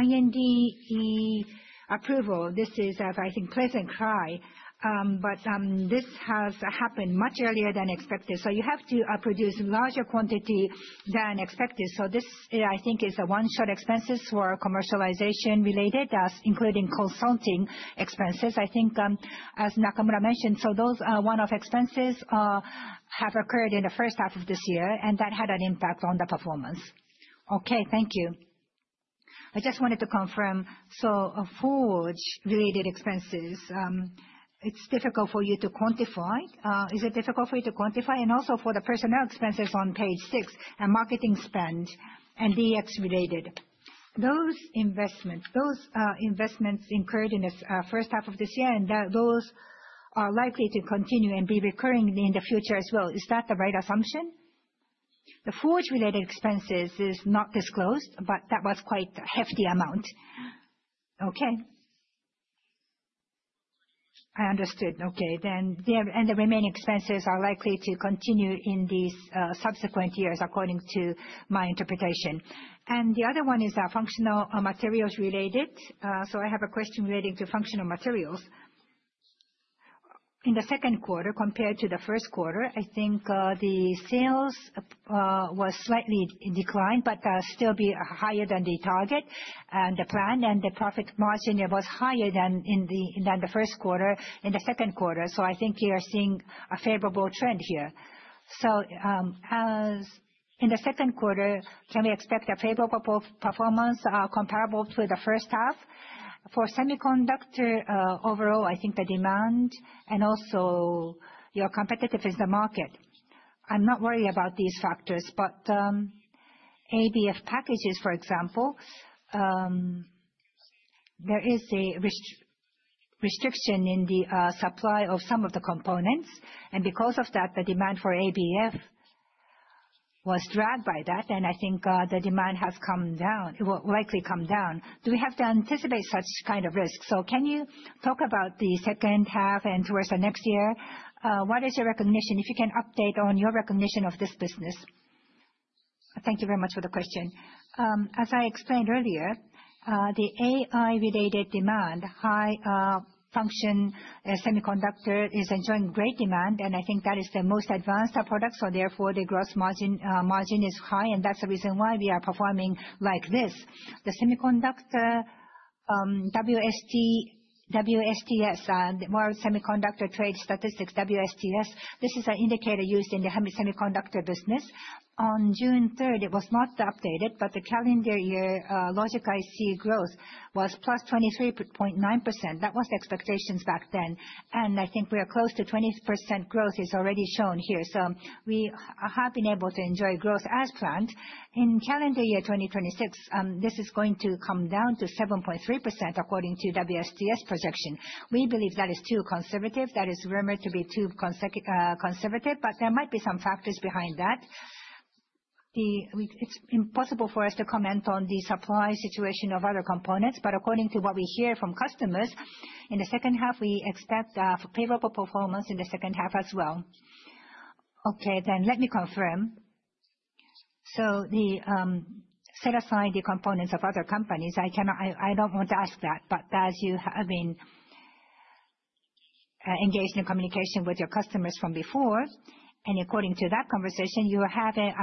IND approval, this is, I think, a pleasant surprise, but this has happened much earlier than expected. So you have to produce a larger quantity than expected. So this, I think, is the one-shot expenses for commercialization-related, including consulting expenses, I think, as Nakamura mentioned. So those one-off expenses have occurred in the first half of this year, and that had an impact on the performance. Okay, thank you. I just wanted to confirm. So Forge-related expenses, it's difficult for you to quantify. Is it difficult for you to quantify? Also for the personnel expenses on page six and marketing spend and DX-related, those investments incurred in the first half of this year, and those are likely to continue and be recurring in the future as well. Is that the right assumption? The Forge-related expenses is not disclosed, but that was quite a hefty amount. Okay. I understood. Okay. And the remaining expenses are likely to continue in these subsequent years, according to my interpretation. And the other one is functional materials-related. So I have a question relating to functional materials. In the second quarter, compared to the first quarter, I think the sales were slightly declined, but still be higher than the target and the plan, and the profit margin was higher than in the first quarter in the second quarter. So I think we are seeing a favorable trend here. So in the second quarter, can we expect a favorable performance comparable to the first half? For semiconductor, overall, I think the demand and also your competition in the market. I'm not worried about these factors, but ABF packages, for example, there is a restriction in the supply of some of the components. And because of that, the demand for ABF was dragged by that. And I think the demand has come down. It will likely come down. Do we have to anticipate such kind of risk? So can you talk about the second half and towards the next year? What is your recognition, if you can update on your recognition of this business? Thank you very much for the question. As I explained earlier, the AI-related demand, high function semiconductor, is enjoying great demand. And I think that is the most advanced product. So therefore, the gross margin is high. And that's the reason why we are performing like this. The semiconductor WSTS, the World Semiconductor Trade Statistics, WSTS, this is an indicator used in the semiconductor business. On June 3rd, it was not updated, but the calendar year logic IC growth was plus 23.9%. That was the expectations back then. And I think we are close to 20% growth is already shown here. So we have been able to enjoy growth as planned. In calendar year 2026, this is going to come down to 7.3%, according to WSTS projection. We believe that is too conservative. That is rumored to be too conservative, but there might be some factors behind that. It's impossible for us to comment on the supply situation of other components, but according to what we hear from customers, in the second half, we expect favorable performance in the second half as well. Okay, then let me confirm. So set aside the components of other companies. I don't want to ask that, but as you have been engaged in communication with your customers from before, and according to that conversation, you have an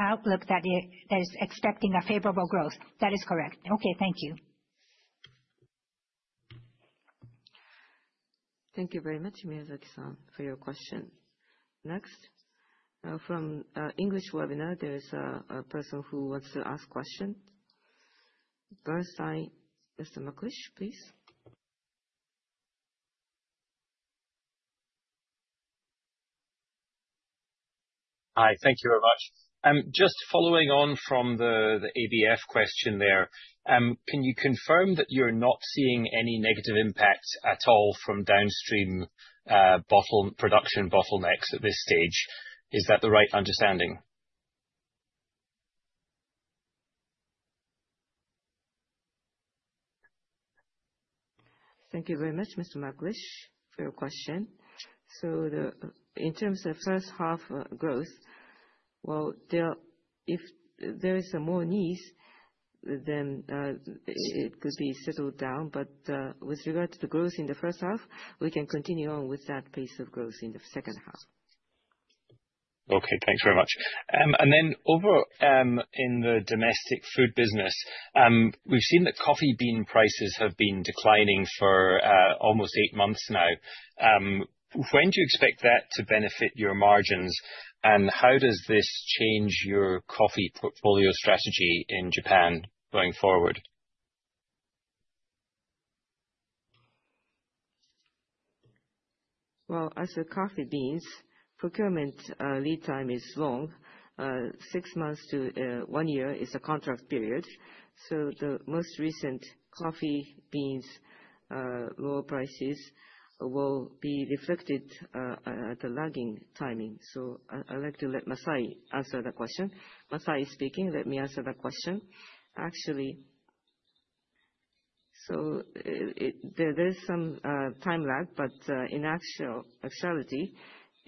outlook that is expecting a favorable growth. That is correct. Okay, thank you. Thank you very much, Miyazaki-san, for your question. Next, from English webinar, there is a person who wants to ask a question. First, Mr. McLeish, please. Hi, thank you very much. Just following on from the ABF question there, can you confirm that you're not seeing any negative impact at all from downstream production bottlenecks at this stage? Is that the right understanding? Thank you very much, Mr. Makish, for your question. In terms of first half growth, well, if there is more needs, then it could be settled down. But with regard to the growth in the first half, we can continue on with that pace of growth in the second half. Okay, thanks very much. Then over in the domestic food business, we've seen that coffee bean prices have been declining for almost eight months now. When do you expect that to benefit your margins? And how does this change your coffee portfolio strategy in Japan going forward? As with coffee beans, procurement lead time is long. Six months to one year is a contract period. So the most recent coffee beans' lower prices will be reflected at the lagging timing. I'd like to let Masai answer that question. Masai is speaking. Let me answer that question. Actually, so there is some time lag, but in actuality,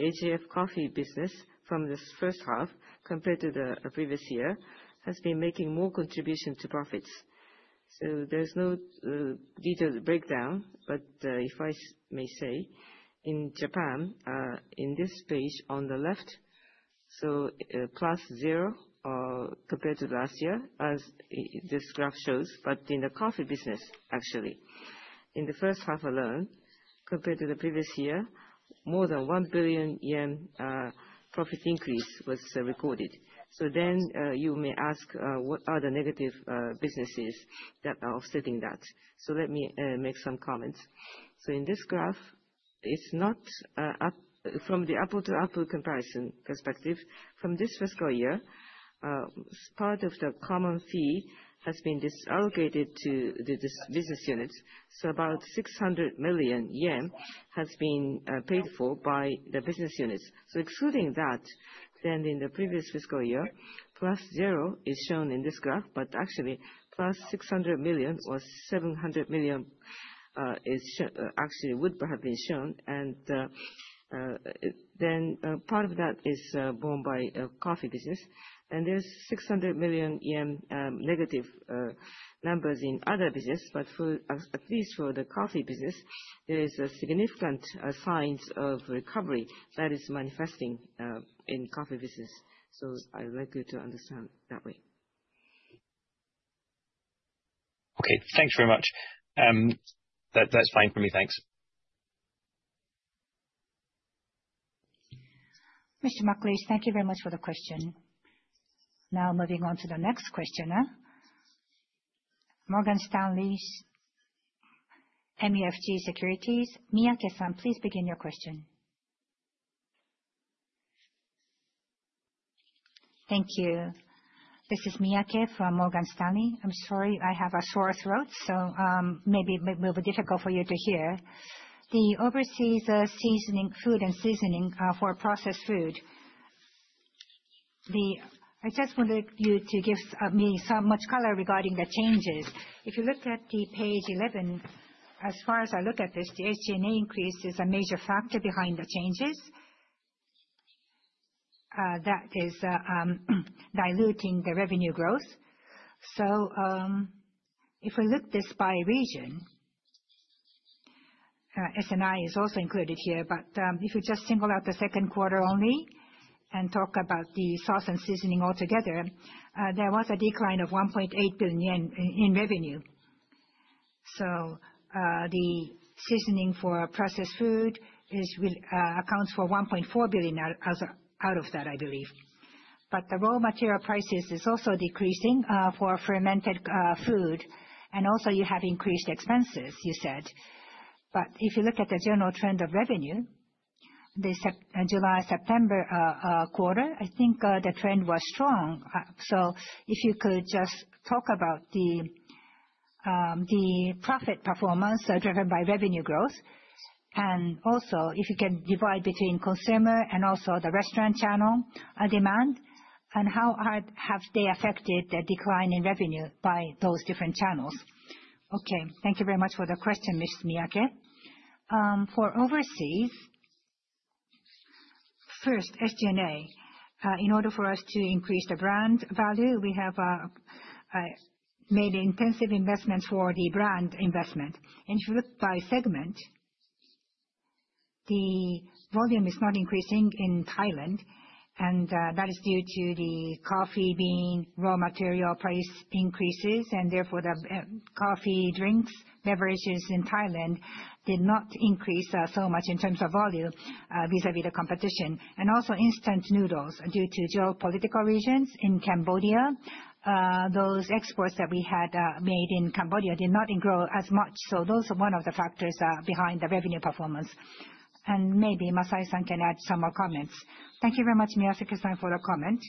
AGF coffee business from this first half compared to the previous year has been making more contribution to profits, so there's no detailed breakdown, but if I may say, in Japan, in this page on the left, so plus zero compared to last year, as this graph shows, but in the coffee business, actually, in the first half alone, compared to the previous year, more than 1 billion yen profit increase was recorded, so then you may ask, what are the negative businesses that are offsetting that, so let me make some comments. So in this graph, it's not from the upper-to-upper comparison perspective. From this fiscal year, part of the common fee has been disallocated to the business units, so about 600 million yen has been paid for by the business units. Excluding that, then in the previous fiscal year, plus zero is shown in this graph, but actually plus 600 million or 700 million actually would have been shown. And then part of that is borne by coffee business. And there's 600 million yen negative numbers in other business, but at least for the coffee business, there is a significant sign of recovery that is manifesting in coffee business. So I'd like you to understand that way. Okay, thanks very much. That's fine for me. Thanks. Mr. McLeish, thank you very much for the question. Now moving on to the next questioner. Morgan Stanley MUFG Securities, Miyake-san, please begin your question. Thank you. This is Miyake from Morgan Stanley. I'm sorry, I have a sore throat, so maybe it will be difficult for you to hear. The overseas seasoning, food and seasoning for processed food, I just wanted you to give me some more color regarding the changes. If you look at page 11, as far as I look at this, the SG&A increase is a major factor behind the changes that is diluting the revenue growth. So if we look this by region, SNI is also included here, but if you just single out the second quarter only and talk about the sauce and seasoning altogether, there was a decline of 1.8 billion yen in revenue. So the seasoning for processed food accounts for 1.4 billion out of that, I believe. But the raw material prices are also decreasing for fermented food. And also you have increased expenses, you said. But if you look at the general trend of revenue, the July-September quarter, I think the trend was strong. So if you could just talk about the profit performance driven by revenue growth, and also if you can divide between consumer and also the restaurant channel demand, and how have they affected the decline in revenue by those different channels? Okay, thank you very much for the question, Ms. Miyake. For overseas, first, SG&A, in order for us to increase the brand value, we have made intensive investments for the brand investment. And if you look by segment, the volume is not increasing in Thailand, and that is due to the coffee bean raw material price increases, and therefore the coffee drinks, beverages in Thailand did not increase so much in terms of volume vis-à-vis the competition. And also instant noodles due to geopolitical regions in Cambodia. Those exports that we had made in Cambodia did not grow as much. So those are one of the factors behind the revenue performance. And maybe Masai-san can add some more comments. Thank you very much, Miyake-san, for the comment.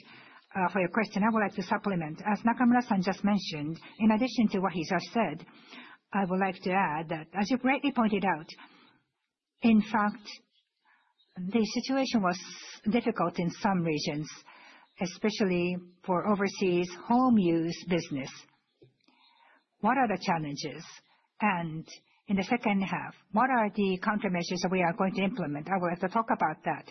For your question, I would like to supplement. As Nakamura-san just mentioned, in addition to what he just said, I would like to add that, as you've rightly pointed out, in fact, the situation was difficult in some regions, especially for overseas home use business. What are the challenges? And in the second half, what are the countermeasures that we are going to implement? I would like to talk about that.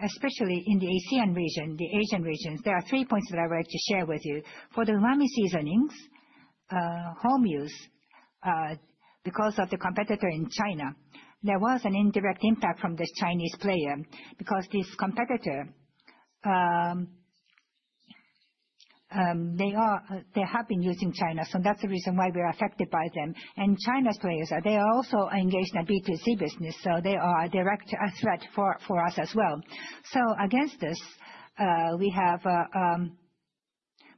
Especially in the ASEAN region, the Asian regions, there are three points that I would like to share with you. For the umami seasonings, home use, because of the competitor in China, there was an indirect impact from the Chinese player because this competitor, they have been using China. So that's the reason why we are affected by them. And China's players, they are also engaged in a B2C business, so they are a direct threat for us as well. So against this, we have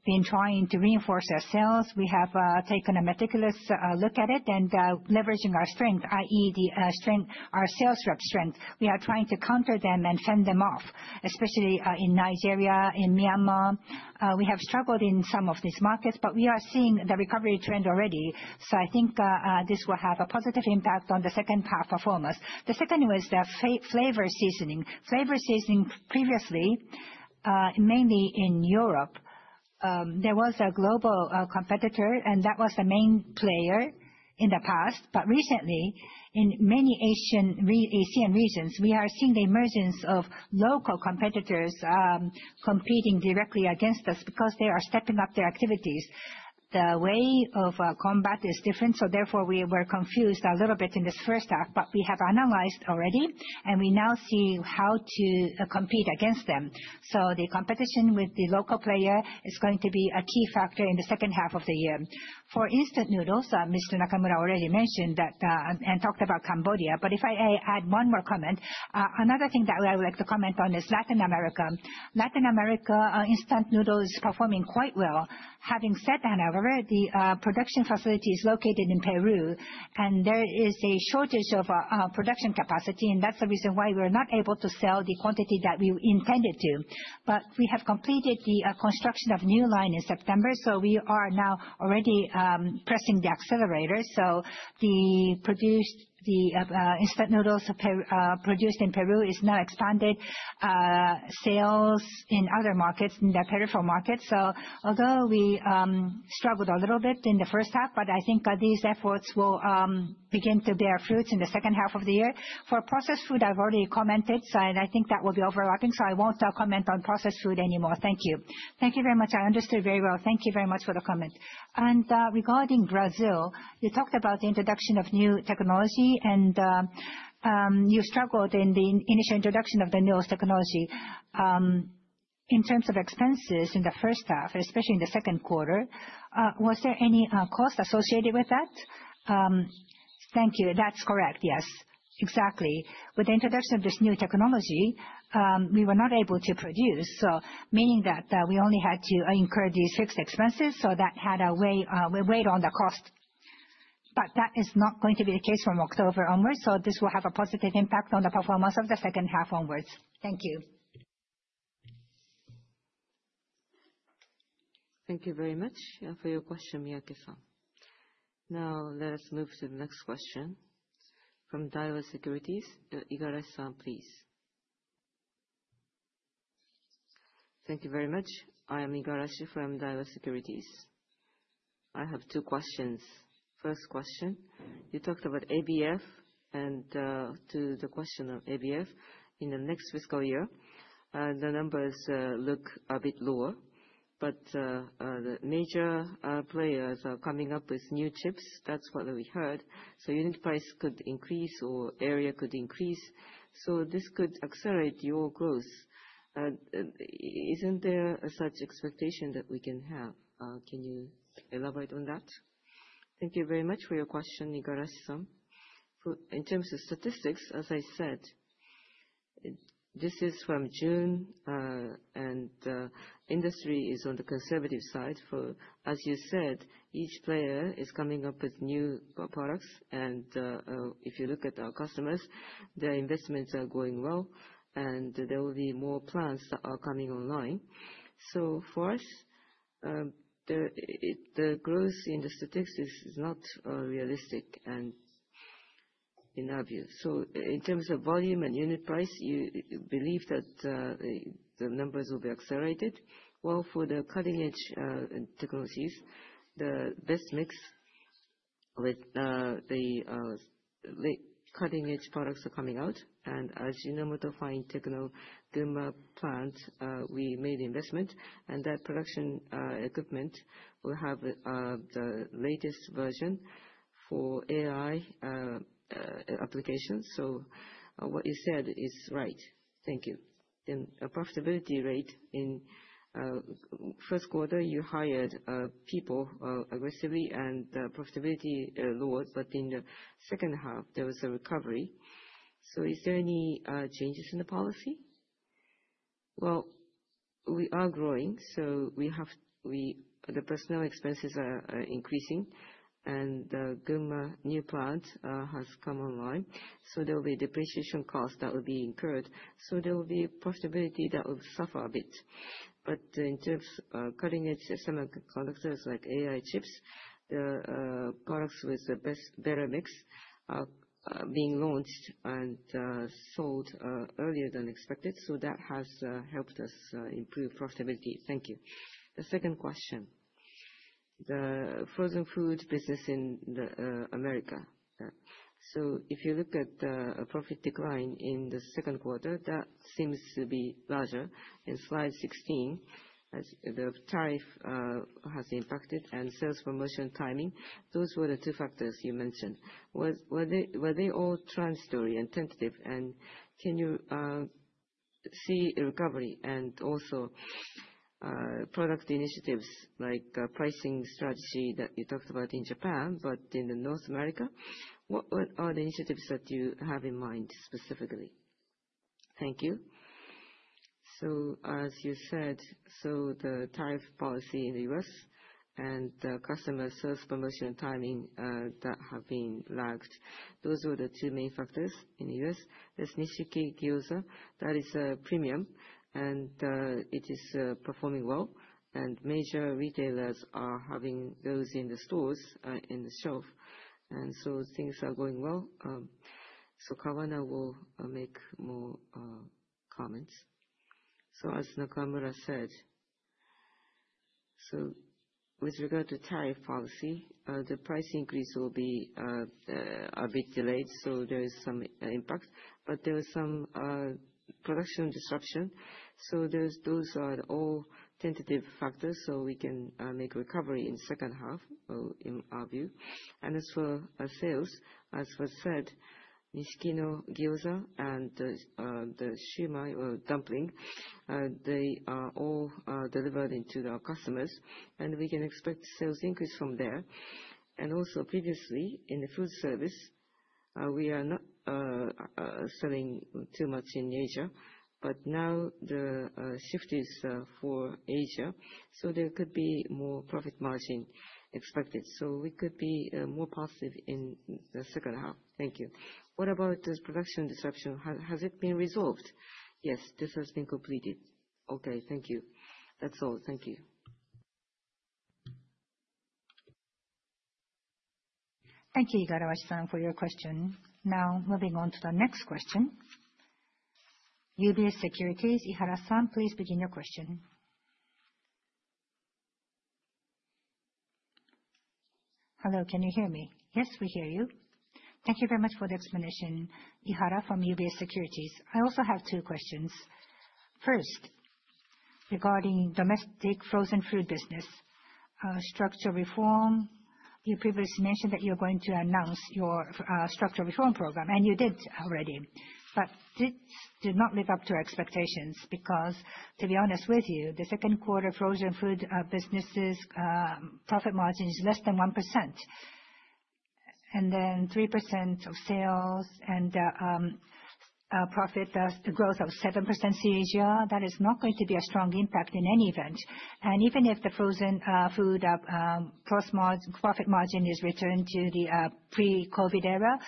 been trying to reinforce our sales. We have taken a meticulous look at it and leveraging our strength, i.e., our sales rep strength. We are trying to counter them and fend them off, especially in Nigeria, in Myanmar. We have struggled in some of these markets, but we are seeing the recovery trend already. So I think this will have a positive impact on the second half performance. The second was the flavor seasoning. Flavor seasoning previously, mainly in Europe, there was a global competitor, and that was the main player in the past. But recently, in many ASEAN regions, we are seeing the emergence of local competitors competing directly against us because they are stepping up their activities. The way of combat is different. So therefore, we were confused a little bit in this first half, but we have analyzed already, and we now see how to compete against them. So the competition with the local player is going to be a key factor in the second half of the year. For instant noodles, Mr. Nakamura already mentioned that and talked about Cambodia. But if I add one more comment, another thing that I would like to comment on is Latin America. Latin America instant noodles are performing quite well. Having said that, however, the production facility is located in Peru, and there is a shortage of production capacity. That's the reason why we were not able to sell the quantity that we intended to. We have completed the construction of a new line in September, so we are now already pressing the accelerator. The instant noodles produced in Peru are now expanding sales in other markets, in the peripheral markets. Although we struggled a little bit in the first half, I think these efforts will begin to bear fruits in the second half of the year. For processed food, I've already commented, and I think that will be overlapping, so I won't comment on processed food anymore. Thank you. Thank you very much. I understood very well. Thank you very much for the comment. Regarding Brazil, you talked about the introduction of new technology, and you struggled in the initial introduction of the newest technology. In terms of expenses in the first half, especially in the second quarter, was there any cost associated with that? Thank you. That's correct. Yes, exactly. With the introduction of this new technology, we were not able to produce, meaning that we only had to incur these fixed expenses, so that had a weight on the cost. But that is not going to be the case from October onwards, so this will have a positive impact on the performance of the second half onwards. Thank you. Thank you very much for your question, Miyake-san. Now, let us move to the next question from Daiwa Securities. Igarashi-san, please. Thank you very much. I am Igarashi from Daiwa Securities. I have two questions. First question, you talked about ABF, and to the question of ABF, in the next fiscal year, the numbers look a bit lower, but the major players are coming up with new chips. That's what we heard. So unit price could increase or area could increase. So this could accelerate your growth. Isn't there such expectation that we can have? Can you elaborate on that? Thank you very much for your question, Igarashi-san. In terms of statistics, as I said, this is from June, and industry is on the conservative side. As you said, each player is coming up with new products, and if you look at our customers, their investments are going well, and there will be more plants that are coming online. So for us, the growth in the statistics is not realistic in our view. So in terms of volume and unit price, you believe that the numbers will be accelerated. Well, for the cutting-edge technologies, the best mix with the cutting-edge products are coming out. And as you know, Ajinomoto Fine-Techno Gunma plant, we made investment, and that production equipment will have the latest version for AI applications. So what you said is right. Thank you. Then profitability rate in the first quarter, you hired people aggressively, and the profitability lowered, but in the second half, there was a recovery. So is there any changes in the policy? Well, we are growing, so the personnel expenses are increasing, and the Gunma new plant has come online. So there will be depreciation costs that will be incurred. So there will be profitability that will suffer a bit. But in terms of cutting-edge semiconductors like AI chips, the products with the better mix are being launched and sold earlier than expected. So that has helped us improve profitability. Thank you. The second question, the frozen food business in America. So if you look at the profit decline in the second quarter, that seems to be larger. In slide 16, the tariff has impacted and sales promotion timing. Those were the two factors you mentioned. Were they all transitory and tentative? And can you see a recovery and also product initiatives like pricing strategy that you talked about in Japan, but in North America? What are the initiatives that you have in mind specifically? Thank you. So as you said, the tariff policy in the U.S. and the customer sales promotion timing that have been lagged, those were the two main factors in the U.S. There's Nishiki Gyoza. That is premium, and it is performing well. And major retailers are having those in the stores on the shelf. And so things are going well. So Kawana will make more comments. So as Nakamura said, with regard to tariff policy, the price increase will be a bit delayed, so there is some impact. But there is some production disruption. So those are all tentative factors, so we can make a recovery in the second half, in our view. And as for sales, as was said, Nishiki Gyoza and the Shumai, they are all delivered to our customers, and we can expect sales increase from there. And also, previously, in the food service, we are not selling too much in Asia, but now the shift is for Asia, so there could be more profit margin expected. So we could be more positive in the second half. Thank you. What about the production disruption? Has it been resolved? Yes, this has been completed. Okay, thank you. That's all. Thank you. Thank you, Igarashi-san, for your question. Now, moving on to the next question. UBS Securities, Ihara-san, please begin your question. Hello, can you hear me? Yes, we hear you. Thank you very much for the explanation, Ihara, from UBS Securities. I also have two questions. First, regarding domestic frozen food business, structural reform, you previously mentioned that you're going to announce your structural reform program, and you did already. But this did not live up to expectations because, to be honest with you, the second quarter frozen food businesses' profit margin is less than 1%. And then 3% of sales and profit growth of 7% in Asia. That is not going to be a strong impact in any event. Even if the frozen food profit margin is returned to the pre-COVID era,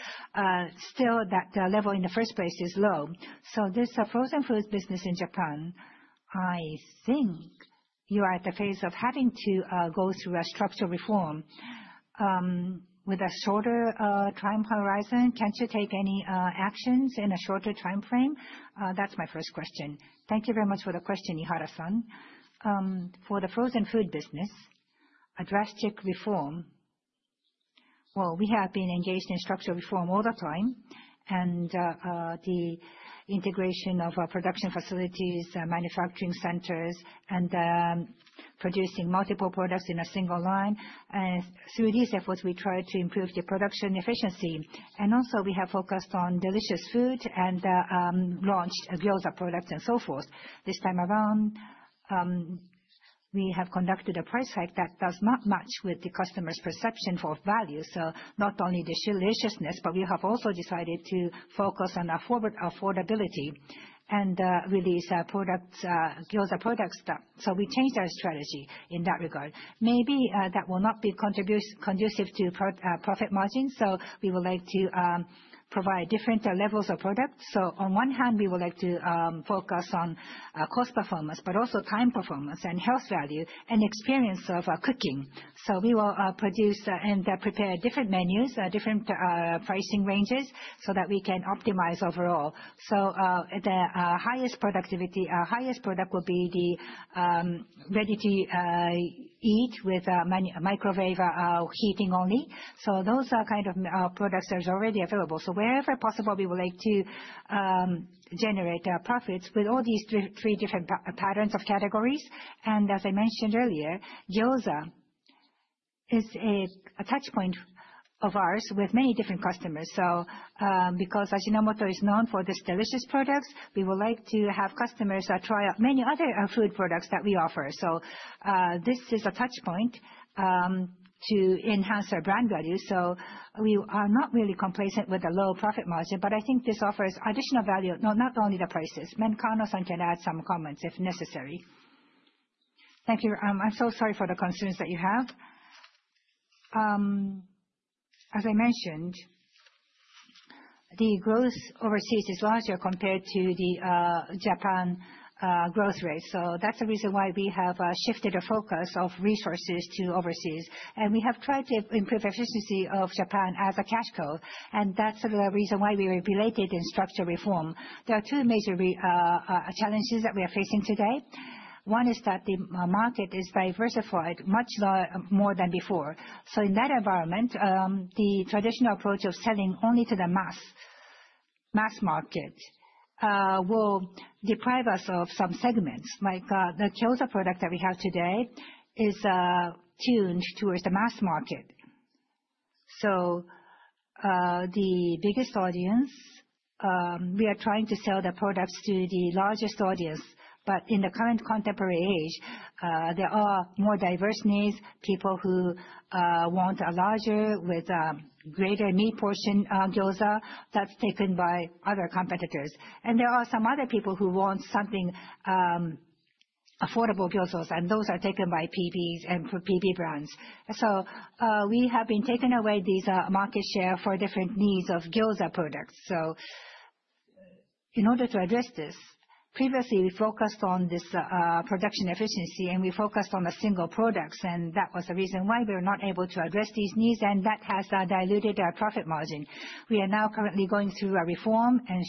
still that level in the first place is low. This frozen food business in Japan, I think you are at the phase of having to go through a structural reform with a shorter time horizon. Can't you take any actions in a shorter time frame? That's my first question. Thank you very much for the question, Ihara-san. For the frozen food business, a drastic reform. We have been engaged in structural reform all the time, and the integration of production facilities, manufacturing centers, and producing multiple products in a single line. Through these efforts, we try to improve the production efficiency. We have focused on delicious food and launched gyoza products and so forth. This time around, we have conducted a price hike that does not match with the customer's perception for value, so not only the deliciousness, but we have also decided to focus on affordability and release gyoza products, so we changed our strategy in that regard. Maybe that will not be conducive to profit margins, so we would like to provide different levels of products, so on one hand, we would like to focus on cost performance, but also time performance and health value and experience of cooking, so we will produce and prepare different menus, different pricing ranges, so that we can optimize overall, so the highest productivity, highest product will be the ready-to-eat with microwave heating only, so those are kind of products that are already available, so wherever possible, we would like to generate profits with all these three different patterns of categories. As I mentioned earlier, gyoza is a touchpoint of ours with many different customers. Because Ajinomoto is known for these delicious products, we would like to have customers try many other food products that we offer. This is a touchpoint to enhance our brand value. We are not really complacent with a low profit margin, but I think this offers additional value, not only the prices. Mizutani-san can add some comments if necessary. Thank you. I'm so sorry for the concerns that you have. As I mentioned, the growth overseas is larger compared to the Japan growth rate. That's the reason why we have shifted our focus of resources to overseas. We have tried to improve efficiency of Japan as a cash cow. That's the reason why we were belated in structural reform. There are two major challenges that we are facing today. One is that the market is diversified much more than before. So in that environment, the traditional approach of selling only to the mass market will deprive us of some segments. Like the Gyoza product that we have today is tuned towards the mass market. So the biggest audience, we are trying to sell the products to the largest audience. But in the current contemporary age, there are more diverse needs, people who want a larger, with greater meat portion Gyoza that's taken by other competitors. And there are some other people who want something affordable Gyoza, and those are taken by PBs and PB brands. So we have been taking away these market shares for different needs of Gyoza products. So in order to address this, previously we focused on this production efficiency, and we focused on a single product. And that was the reason why we were not able to address these needs, and that has diluted our profit margin. We are now currently going through a reform, and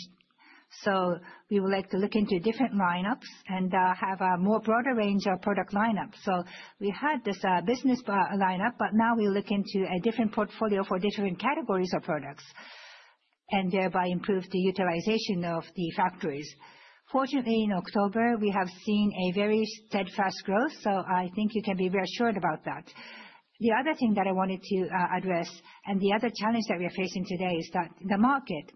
so we would like to look into different lineups and have a more broader range of product lineups. So we had this business lineup, but now we look into a different portfolio for different categories of products and thereby improve the utilization of the factories. Fortunately, in October, we have seen a very steadfast growth, so I think you can be reassured about that. The other thing that I wanted to address, and the other challenge that we are facing today, is that the market,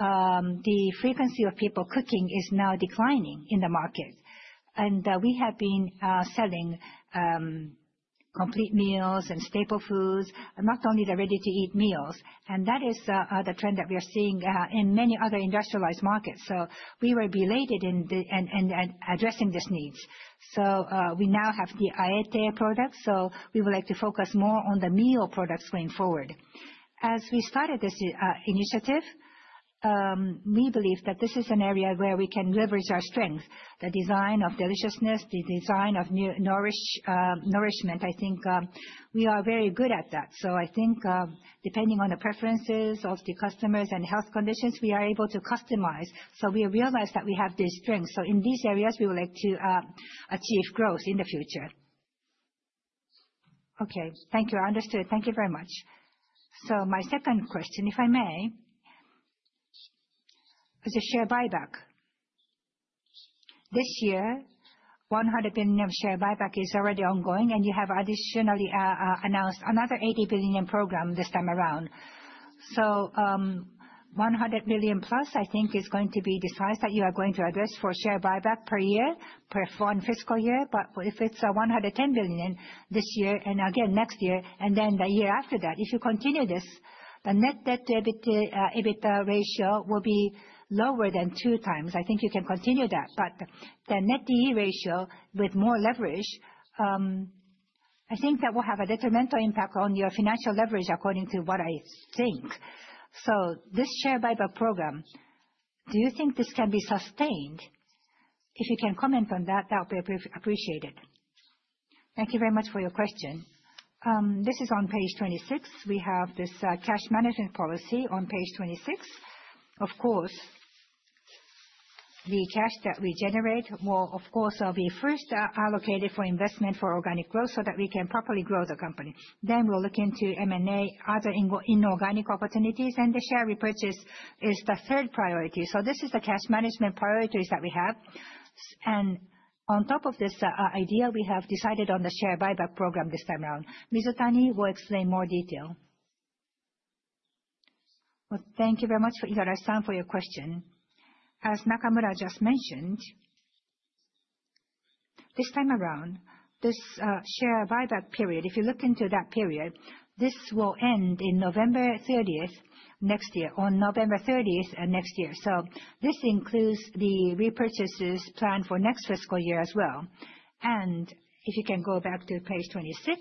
the frequency of people cooking, is now declining in the market. And we have been selling complete meals and staple foods, not only the ready-to-eat meals. And that is the trend that we are seeing in many other industrialized markets. So we were belated in addressing these needs. So we now have the Aete products, so we would like to focus more on the meal products going forward. As we started this initiative, we believe that this is an area where we can leverage our strength, the design of deliciousness, the design of nourishment. I think we are very good at that. So I think depending on the preferences of the customers and health conditions, we are able to customize. So we realize that we have these strengths. So in these areas, we would like to achieve growth in the future. Okay, thank you. I understood. Thank you very much. So my second question, if I may, is the share buyback. This year, 100 billion share buyback is already ongoing, and you have additionally announced another 80 billion program this time around. So 100 billion plus, I think, is going to be the size that you are going to address for share buyback per year, per fiscal year. But if it's 110 billion this year and again next year, and then the year after that, if you continue this, the net debt-to-EBITDA ratio will be lower than two times. I think you can continue that. But the net DE ratio with more leverage, I think that will have a detrimental impact on your financial leverage, according to what I think. So this share buyback program, do you think this can be sustained? If you can comment on that, that would be appreciated. Thank you very much for your question. This is on page 26. We have this cash management policy on page 26. Of course, the cash that we generate will, of course, be first allocated for investment for organic growth so that we can properly grow the company. Then we'll look into M&A, other inorganic opportunities, and the share repurchase is the third priority. So this is the cash management priorities that we have. And on top of this idea, we have decided on the share buyback program this time around. Mizutani will explain more detail. Well, thank you very much, Igarashi-san, for your question. As Nakamura just mentioned, this time around, this share buyback period, if you look into that period, this will end on November 30th next year, on November 30th next year. So this includes the repurchases planned for next fiscal year as well. If you can go back to page 26,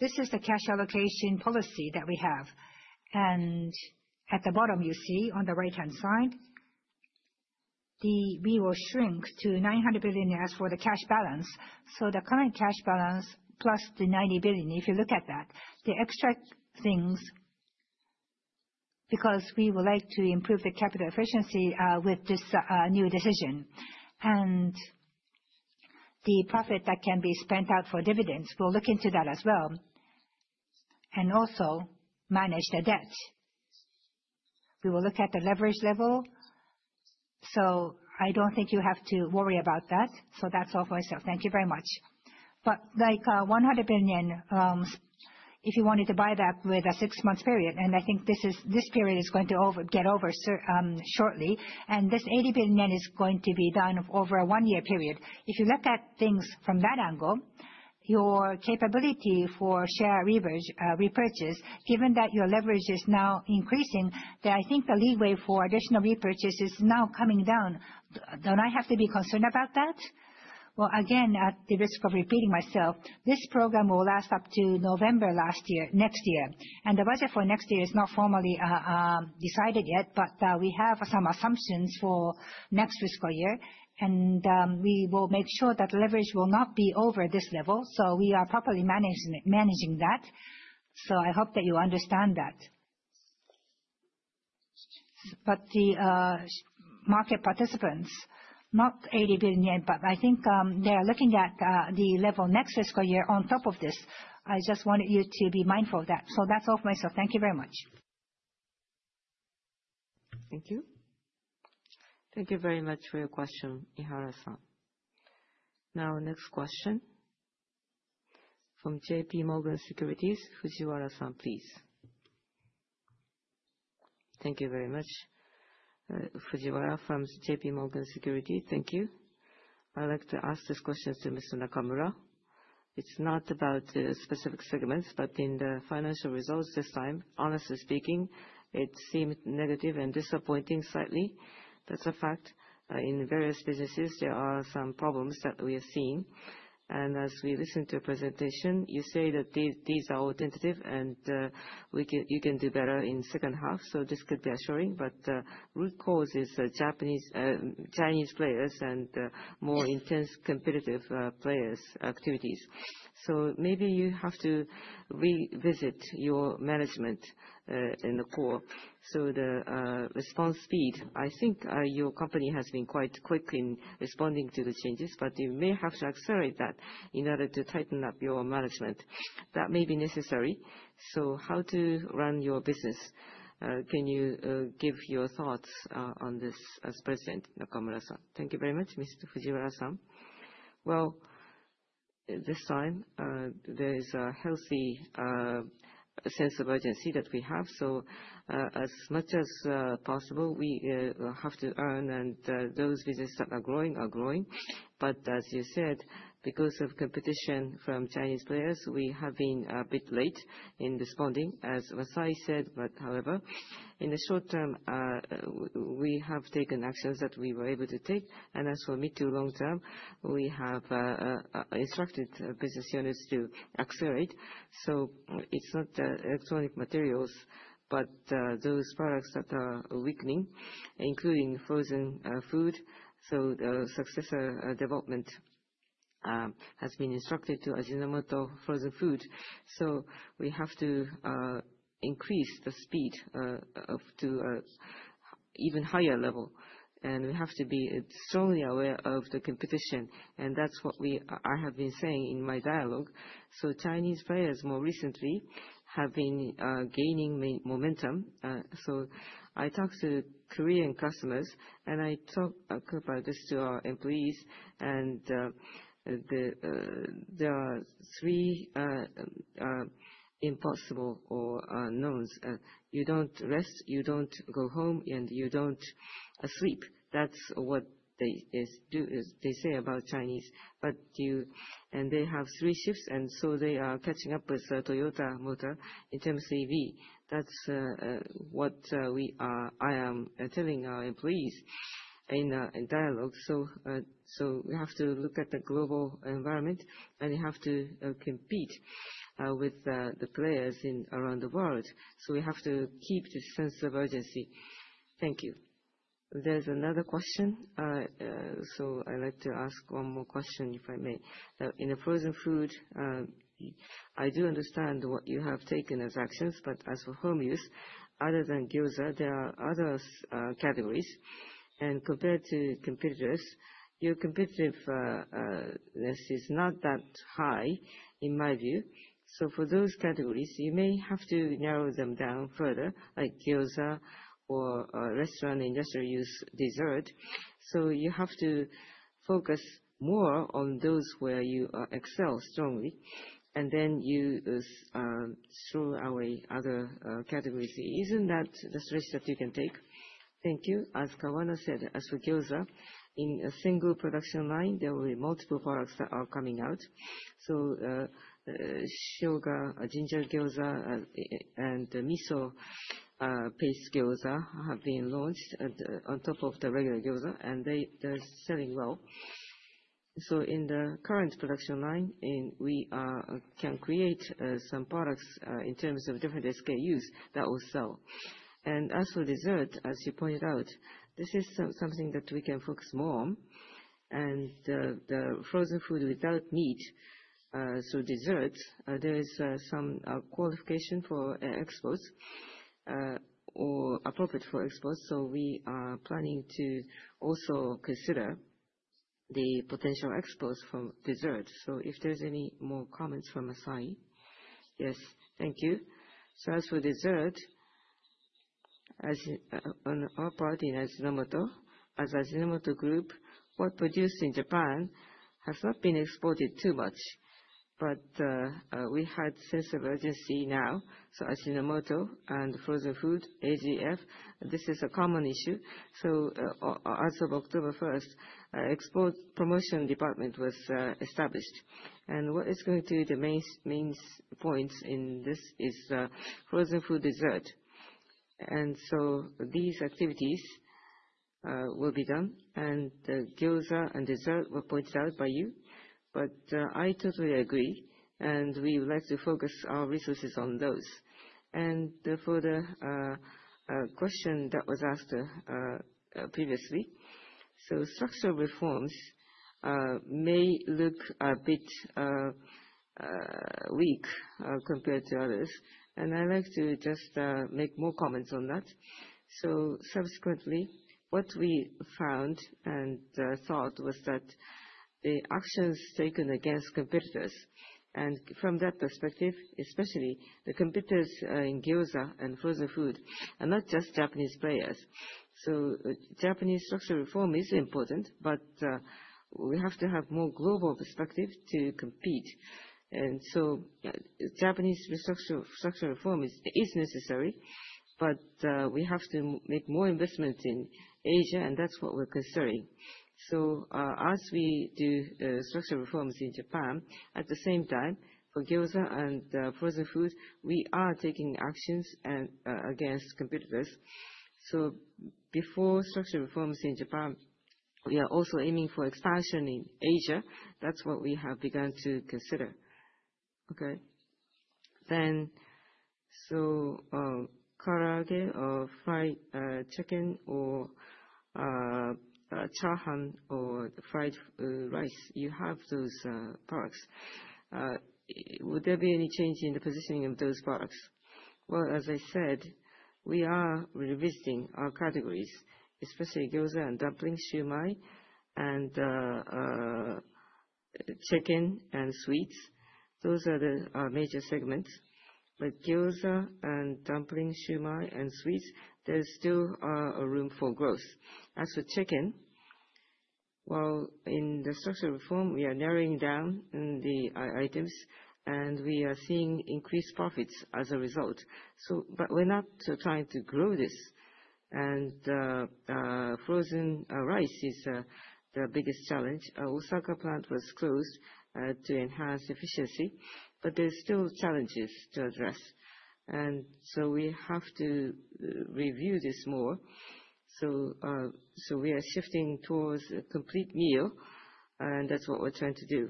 this is the cash allocation policy that we have. At the bottom, you see on the right-hand side, we will shrink to 900 billion as for the cash balance. The current cash balance plus the 90 billion, if you look at that, the extra things, because we would like to improve the capital efficiency with this new decision. The profit that can be spent out for dividends, we'll look into that as well. We will also manage the debt. We will look at the leverage level. I don't think you have to worry about that. That's all for myself. Thank you very much. But like 100 billion, if you wanted to buy that with a six-month period, and I think this period is going to get over shortly, and this 80 billion yen is going to be done over a one-year period. If you look at things from that angle, your capability for share repurchase, given that your leverage is now increasing, I think the leeway for additional repurchase is now coming down. Don't I have to be concerned about that? Well, again, at the risk of repeating myself, this program will last up to November next year. And the budget for next year is not formally decided yet, but we have some assumptions for next fiscal year. And we will make sure that leverage will not be over this level. So we are properly managing that. So I hope that you understand that. But the market participants, not 80 billion, but I think they are looking at the level next fiscal year on top of this. I just wanted you to be mindful of that. So that's all for myself. Thank you very much. Thank you. Thank you very much for your question, Ihara-san. Now, next question from J.P. Morgan Securities, Fujiwara-san, please. Thank you very much, Fujiwara from J.P. Morgan Securities. Thank you. I'd like to ask this question to Mr. Nakamura. It's not about the specific segments, but in the financial results this time, honestly speaking, it seemed negative and disappointing slightly. That's a fact. In various businesses, there are some problems that we have seen. And as we listen to your presentation, you say that these are all tentative, and you can do better in the second half. So this could be assuring. But the root cause is Chinese players and more intense competitive players' activities. So maybe you have to revisit your management in the core. So the response speed, I think your company has been quite quick in responding to the changes, but you may have to accelerate that in order to tighten up your management. That may be necessary. So how to run your business? Can you give your thoughts on this as president, Nakamura-san? Thank you very much, Mr. Fujiwara-san. Well, this time, there is a healthy sense of urgency that we have. So as much as possible, we have to earn, and those businesses that are growing are growing. But as you said, because of competition from Chinese players, we have been a bit late in responding, as Masai said. But however, in the short term, we have taken actions that we were able to take. As for mid- to long-term, we have instructed business units to accelerate. So it's not the electronic materials, but those products that are weakening, including frozen food. So the successor development has been instructed to Ajinomoto Frozen Foods. So we have to increase the speed to an even higher level. And we have to be strongly aware of the competition. And that's what I have been saying in my dialogue. So Chinese players more recently have been gaining momentum. So I talked to Korean customers, and I talked about this to our employees. And there are three no's. You don't rest, you don't go home, and you don't sleep. That's what they say about Chinese. And they have three shifts, and so they are catching up with Toyota Motor in terms of EV. That's what I am telling our employees in dialogue. So we have to look at the global environment, and we have to compete with the players around the world. So we have to keep this sense of urgency. Thank you. There's another question. So I'd like to ask one more question, if I may. In the frozen food, I do understand what you have taken as actions, but as for home use, other than Gyoza, there are other categories. And compared to competitors, your competitiveness is not that high, in my view. So for those categories, you may have to narrow them down further, like Gyoza or restaurant industrial use dessert. So you have to focus more on those where you excel strongly. And then you throw away other categories. Isn't that the stretch that you can take? Thank you. As Kawana said, as for gyoza, in a single production line, there will be multiple products that are coming out. So sugar, ginger gyoza, and miso paste gyoza have been launched on top of the regular gyoza, and they are selling well. So in the current production line, we can create some products in terms of different SKUs that will sell. And as for dessert, as you pointed out, this is something that we can focus more on. And the frozen food without meat, so desserts, there is some qualification for exports or appropriate for exports. So we are planning to also consider the potential exports from desserts. So if there's any more comments from Masai. Yes, thank you. So as for dessert, on our part in Ajinomoto, as Ajinomoto Group, what produced in Japan has not been exported too much. But we had a sense of urgency now. So Ajinomoto Frozen Foods, AGF, this is a common issue. So as of October 1st, the export promotion department was established. And what is going to be the main points in this is frozen food dessert. And so these activities will be done, and the gyoza and dessert were pointed out by you. But I totally agree, and we would like to focus our resources on those. And for the question that was asked previously, so structural reforms may look a bit weak compared to others. And I'd like to just make more comments on that. So subsequently, what we found and thought was that the actions taken against competitors, and from that perspective, especially the competitors in gyoza and frozen food, are not just Japanese players. Japanese structural reform is important, but we have to have more global perspective to compete. Japanese structural reform is necessary, but we have to make more investment in Asia, and that's what we're considering. As we do structural reforms in Japan, at the same time, for gyoza and frozen food, we are taking actions against competitors. Before structural reforms in Japan, we are also aiming for expansion in Asia. That's what we have begun to consider. Okay. Karaage or fried chicken or chahan or fried rice, you have those products. Would there be any change in the positioning of those products? As I said, we are revisiting our categories, especially gyoza and dumplings, shumai, and chicken and sweets. Those are the major segments. Gyoza and dumplings, shumai and sweets, there's still room for growth. As for chicken, while in the structural reform, we are narrowing down the items, and we are seeing increased profits as a result, but we're not trying to grow this. Frozen rice is the biggest challenge. Osaka plant was closed to enhance efficiency, but there are still challenges to address, and so we have to review this more. We are shifting towards a complete meal, and that's what we're trying to do.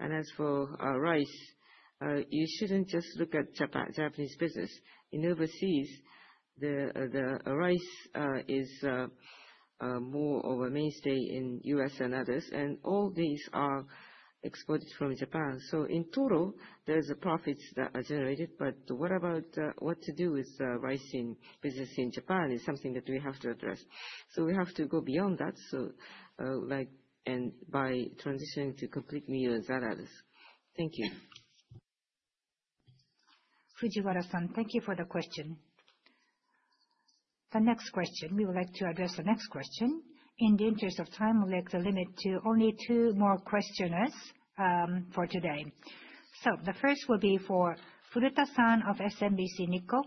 As for rice, you shouldn't just look at Japanese business. In overseas, the rice is more of a mainstay in the U.S. and others, and all these are exported from Japan. In total, there are profits that are generated, but what about what to do with rice in business in Japan is something that we have to address. So we have to go beyond that, so like and by transitioning to complete meals and others. Thank you. Fujiwara-san, thank you for the question. The next question we would like to address. In the interest of time, we'll limit to only two more questioners for today. So the first will be for Furuta-san of SMBC Nikko.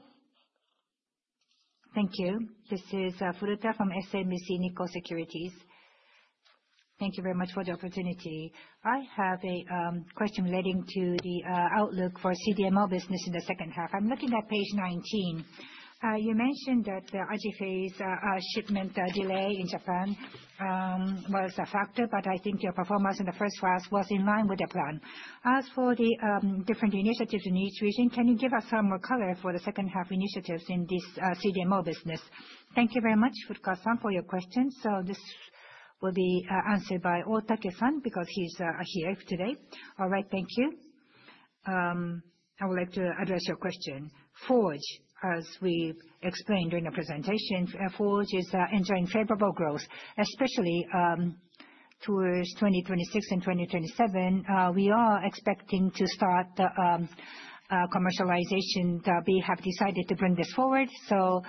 Thank you. This is Furuta from SMBC Nikko Securities. Thank you very much for the opportunity. I have a question relating to the outlook for CDMO business in the second half. I'm looking at page 19. You mentioned that the AJIPHASE's shipment delay in Japan was a factor, but I think your performance in the first half was in line with the plan. As for the different initiatives in each region, can you give us some more color for the second half initiatives in this CDMO business? Thank you very much, Furuta-san, for your question. So this will be answered by Otake-san because he's here today. All right, thank you. I would like to address your question. Forge, as we explained during the presentation, Forge is entering favorable growth, especially towards 2026 and 2027. We are expecting to start the commercialization. We have decided to bring this forward. So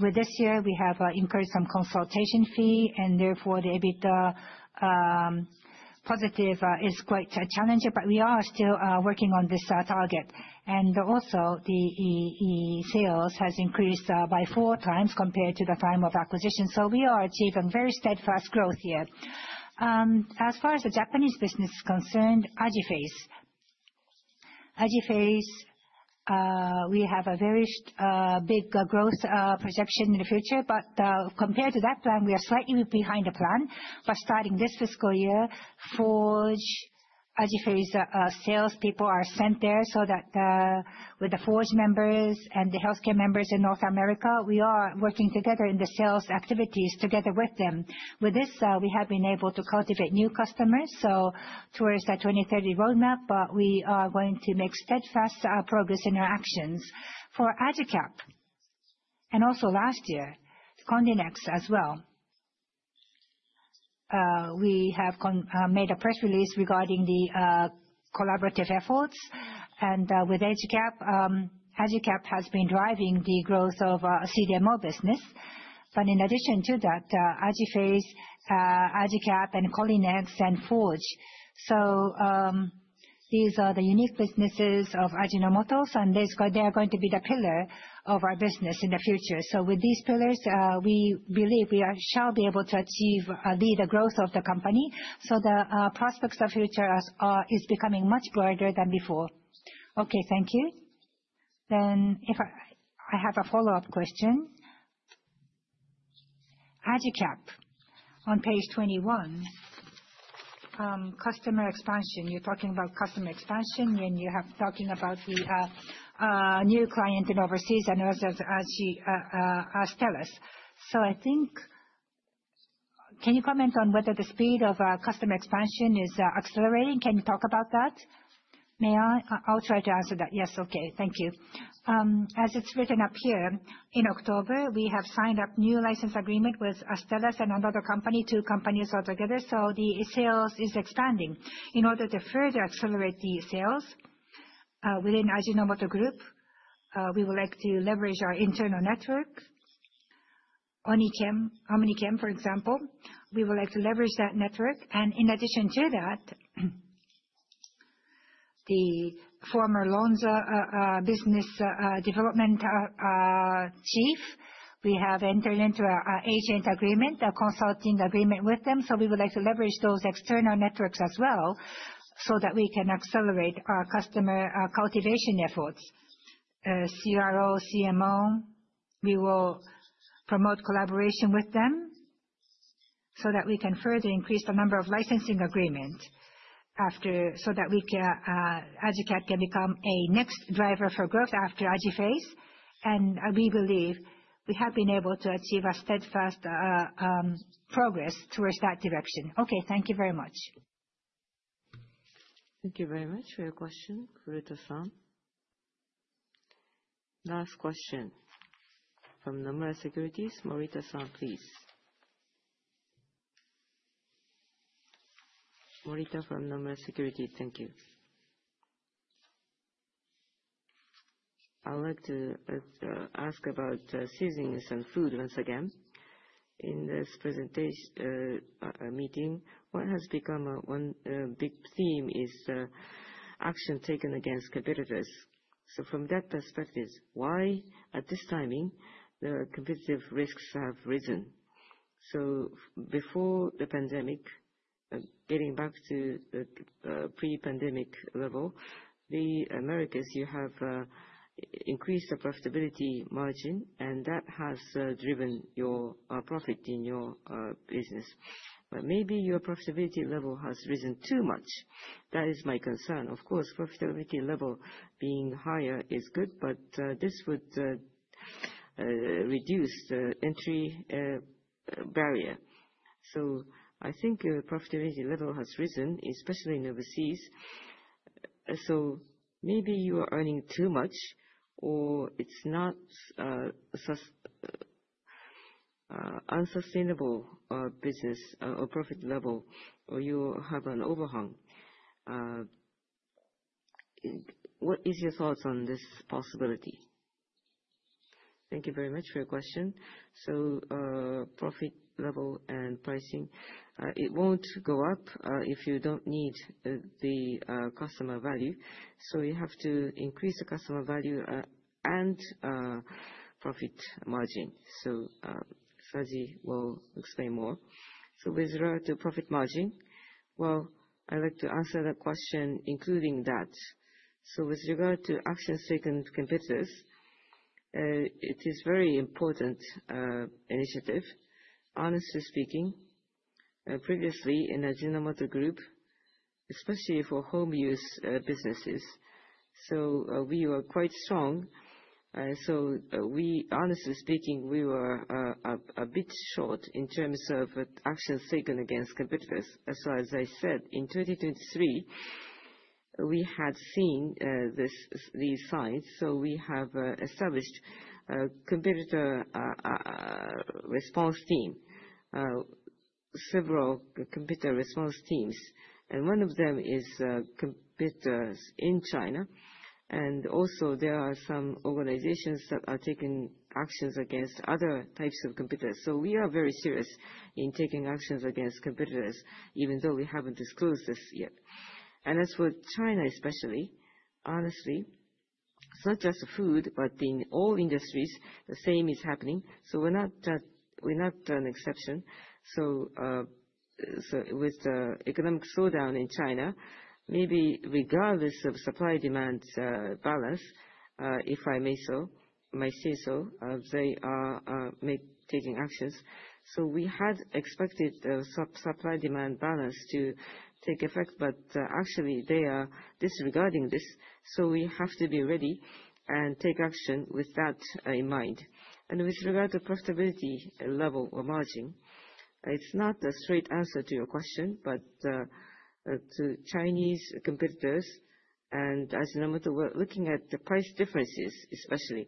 with this year, we have incurred some consultation fee, and therefore the EBITDA positive is quite a challenge, but we are still working on this target. And also, the sales have increased by four times compared to the time of acquisition. So we are achieving very steadfast growth here. As far as the Japanese business is concerned, Ajifei. Ajifei, we have a very big growth projection in the future, but compared to that plan, we are slightly behind the plan. But starting this fiscal year, Forge Bio-Pharma's salespeople are sent there so that with the Forge members and the healthcare members in North America, we are working together in the sales activities together with them. With this, we have been able to cultivate new customers. So towards the 2030 roadmap, we are going to make steadfast progress in our actions. For AJICAP and also last year, CORYNEX as well. We have made a press release regarding the collaborative efforts. And with AJICAP, AJICAP has been driving the growth of CDMO business. But in addition to that, Bio-Pharma, AJICAP, and CORYNEX and Forge. So these are the unique businesses of Ajinomoto, and they are going to be the pillar of our business in the future. So with these pillars, we believe we shall be able to achieve the growth of the company. So the prospects of the future are becoming much brighter than before. Okay, thank you. Then I have a follow-up question. AJICAP, on page 21, customer expansion. You're talking about customer expansion, and you have talking about the new client in overseas and as well as Astellas. So I think, can you comment on whether the speed of customer expansion is accelerating? Can you talk about that? May I? I'll try to answer that. Yes, okay. Thank you. As it's written up here, in October, we have signed up a new license agreement with Astellas and another company, two companies altogether. So the sales are expanding. In order to further accelerate the sales within Ajinomoto Group, we would like to leverage our internal network. Onikem, for example, we would like to leverage that network. And in addition to that, the former Lonza business development chief, we have entered into an agent agreement, a consulting agreement with them. So we would like to leverage those external networks as well so that we can accelerate our customer cultivation efforts. CRO, CMO, we will promote collaboration with them so that we can further increase the number of licensing agreements after so that AJICAP can become a next driver for growth after AJIPHASE. And we believe we have been able to achieve steadfast progress towards that direction. Okay, thank you very much. Thank you very much for your question, Furuta-san. Last question from Nomura Securities, Morita-san, please. Morita from Nomura Securities, thank you. I'd like to ask about seasonings and food once again. In this presentation meeting, what has become one big theme is action taken against competitors. So from that perspective, why at this timing the competitive risks have risen? So before the pandemic, getting back to the pre-pandemic level, the Americas, you have increased the profitability margin, and that has driven your profit in your business. But maybe your profitability level has risen too much. That is my concern. Of course, profitability level being higher is good, but this would reduce the entry barrier. So I think your profitability level has risen, especially in overseas. So maybe you are earning too much, or it's not an unsustainable business or profit level, or you have an overhang. What are your thoughts on this possibility? Thank you very much for your question. So profit level and pricing, it won't go up if you don't need the customer value. So you have to increase the customer value and profit margin. So Saji will explain more. So with regard to profit margin, well, I'd like to answer that question, including that. So with regard to actions taken against competitors, it is a very important initiative. Honestly speaking, previously in Ajinomoto Group, especially for home use businesses, so we were quite strong. So honestly speaking, we were a bit short in terms of actions taken against competitors. As I said, in 2023, we had seen these signs. So we have established a competitor response team, several competitor response teams. And one of them is competitors in China. And also, there are some organizations that are taking actions against other types of competitors. So we are very serious in taking actions against competitors, even though we haven't disclosed this yet. And as for China, especially, honestly, it's not just food, but in all industries, the same is happening. So we're not an exception. So with the economic slowdown in China, maybe regardless of supply-demand balance, if I may say so, they are taking actions. So we had expected the supply-demand balance to take effect, but actually, they are disregarding this. So we have to be ready and take action with that in mind. And with regard to profitability level or margin, it's not a straight answer to your question, but to Chinese competitors and Ajinomoto, we're looking at the price differences, especially.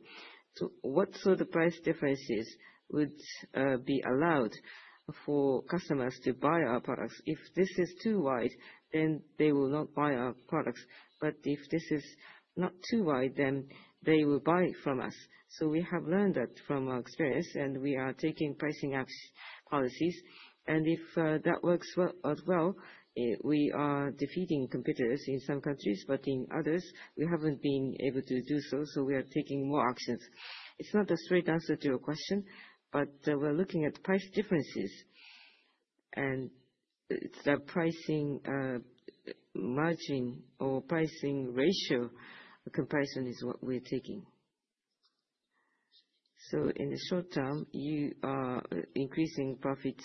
So what sort of price differences would be allowed for customers to buy our products? If this is too wide, then they will not buy our products. But if this is not too wide, then they will buy from us. So we have learned that from our experience, and we are taking pricing policies. And if that works out well, we are defeating competitors in some countries, but in others, we haven't been able to do so. So we are taking more actions. It's not a straight answer to your question, but we're looking at price differences. And it's the pricing margin or pricing ratio comparison is what we're taking. So in the short term, you are increasing profits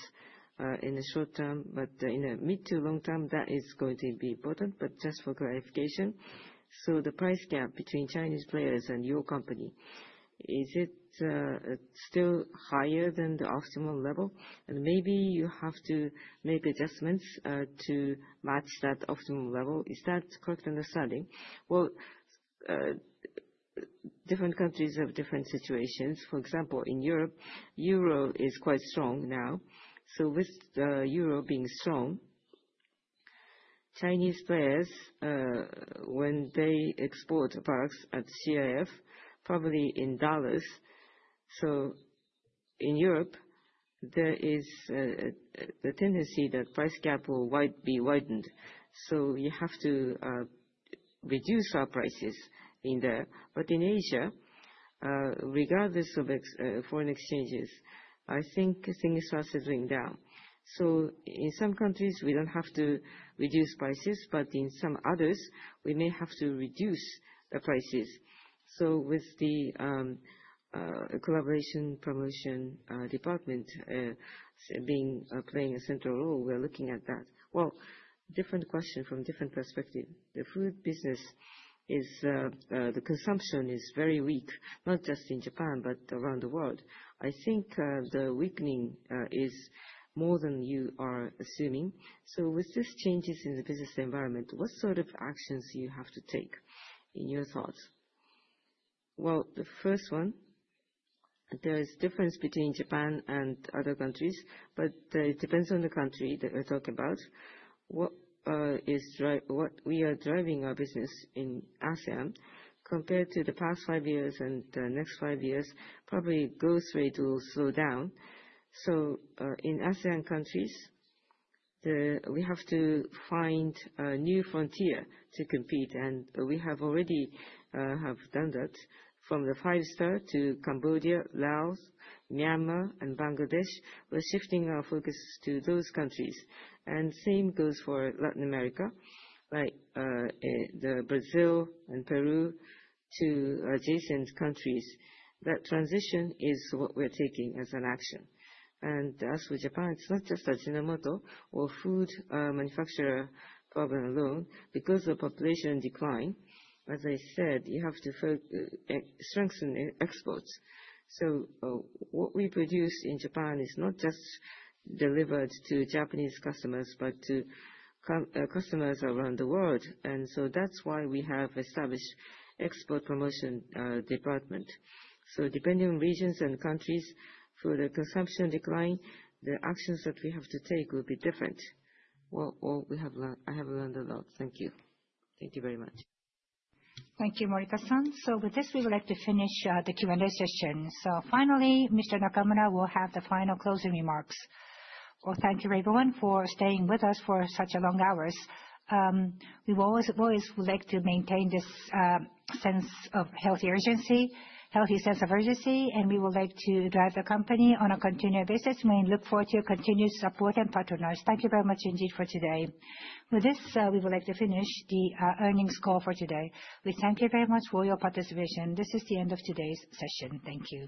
in the short term, but in the mid to long term, that is going to be important, but just for clarification. So the price gap between Chinese players and your company, is it still higher than the optimal level? And maybe you have to make adjustments to match that optimal level. Is that correct understanding? Well, different countries have different situations. For example, in Europe, euro is quite strong now. So, with the euro being strong, Chinese players, when they export products at CIF, probably in dollars. So in Europe, there is the tendency that price gap will be widened. So you have to reduce our prices in there. But in Asia, regardless of foreign exchanges, I think things are settling down. So in some countries, we do not have to reduce prices, but in some others, we may have to reduce the prices. So with the collaboration promotion department playing a central role, we are looking at that. Well, different question from different perspective. The food business, the consumption is very weak, not just in Japan, but around the world. I think the weakening is more than you are assuming. So with these changes in the business environment, what sort of actions do you have to take in your thoughts? The first one, there is a difference between Japan and other countries, but it depends on the country that we're talking about. What we are driving our business in ASEAN, compared to the past five years and the next five years, probably goes straight to slow down. In ASEAN countries, we have to find a new frontier to compete, and we have already done that. From the five stars to Cambodia, Laos, Myanmar, and Bangladesh, we're shifting our focus to those countries. Same goes for Latin America, like Brazil and Peru, to adjacent countries. That transition is what we're taking as an action. As for Japan, it's not just Ajinomoto or food manufacturer problem alone. Because of population decline, as I said, you have to strengthen exports. What we produce in Japan is not just delivered to Japanese customers, but to customers around the world. That's why we have established an export promotion department. Depending on regions and countries, for the consumption decline, the actions that we have to take will be different. We have learned a lot. Thank you. Thank you very much. Thank you, Morita-san. With this, we would like to finish the Q&A session. Finally, Mr. Nakamura will have the final closing remarks. Thank you, everyone, for staying with us for such long hours. We always would like to maintain this sense of healthy urgency, healthy sense of urgency, and we would like to drive the company on a continued basis. We look forward to your continued support and partners. Thank you very much, indeed, for today. With this, we would like to finish the earnings call for today. We thank you very much for your participation. This is the end of today's session. Thank you.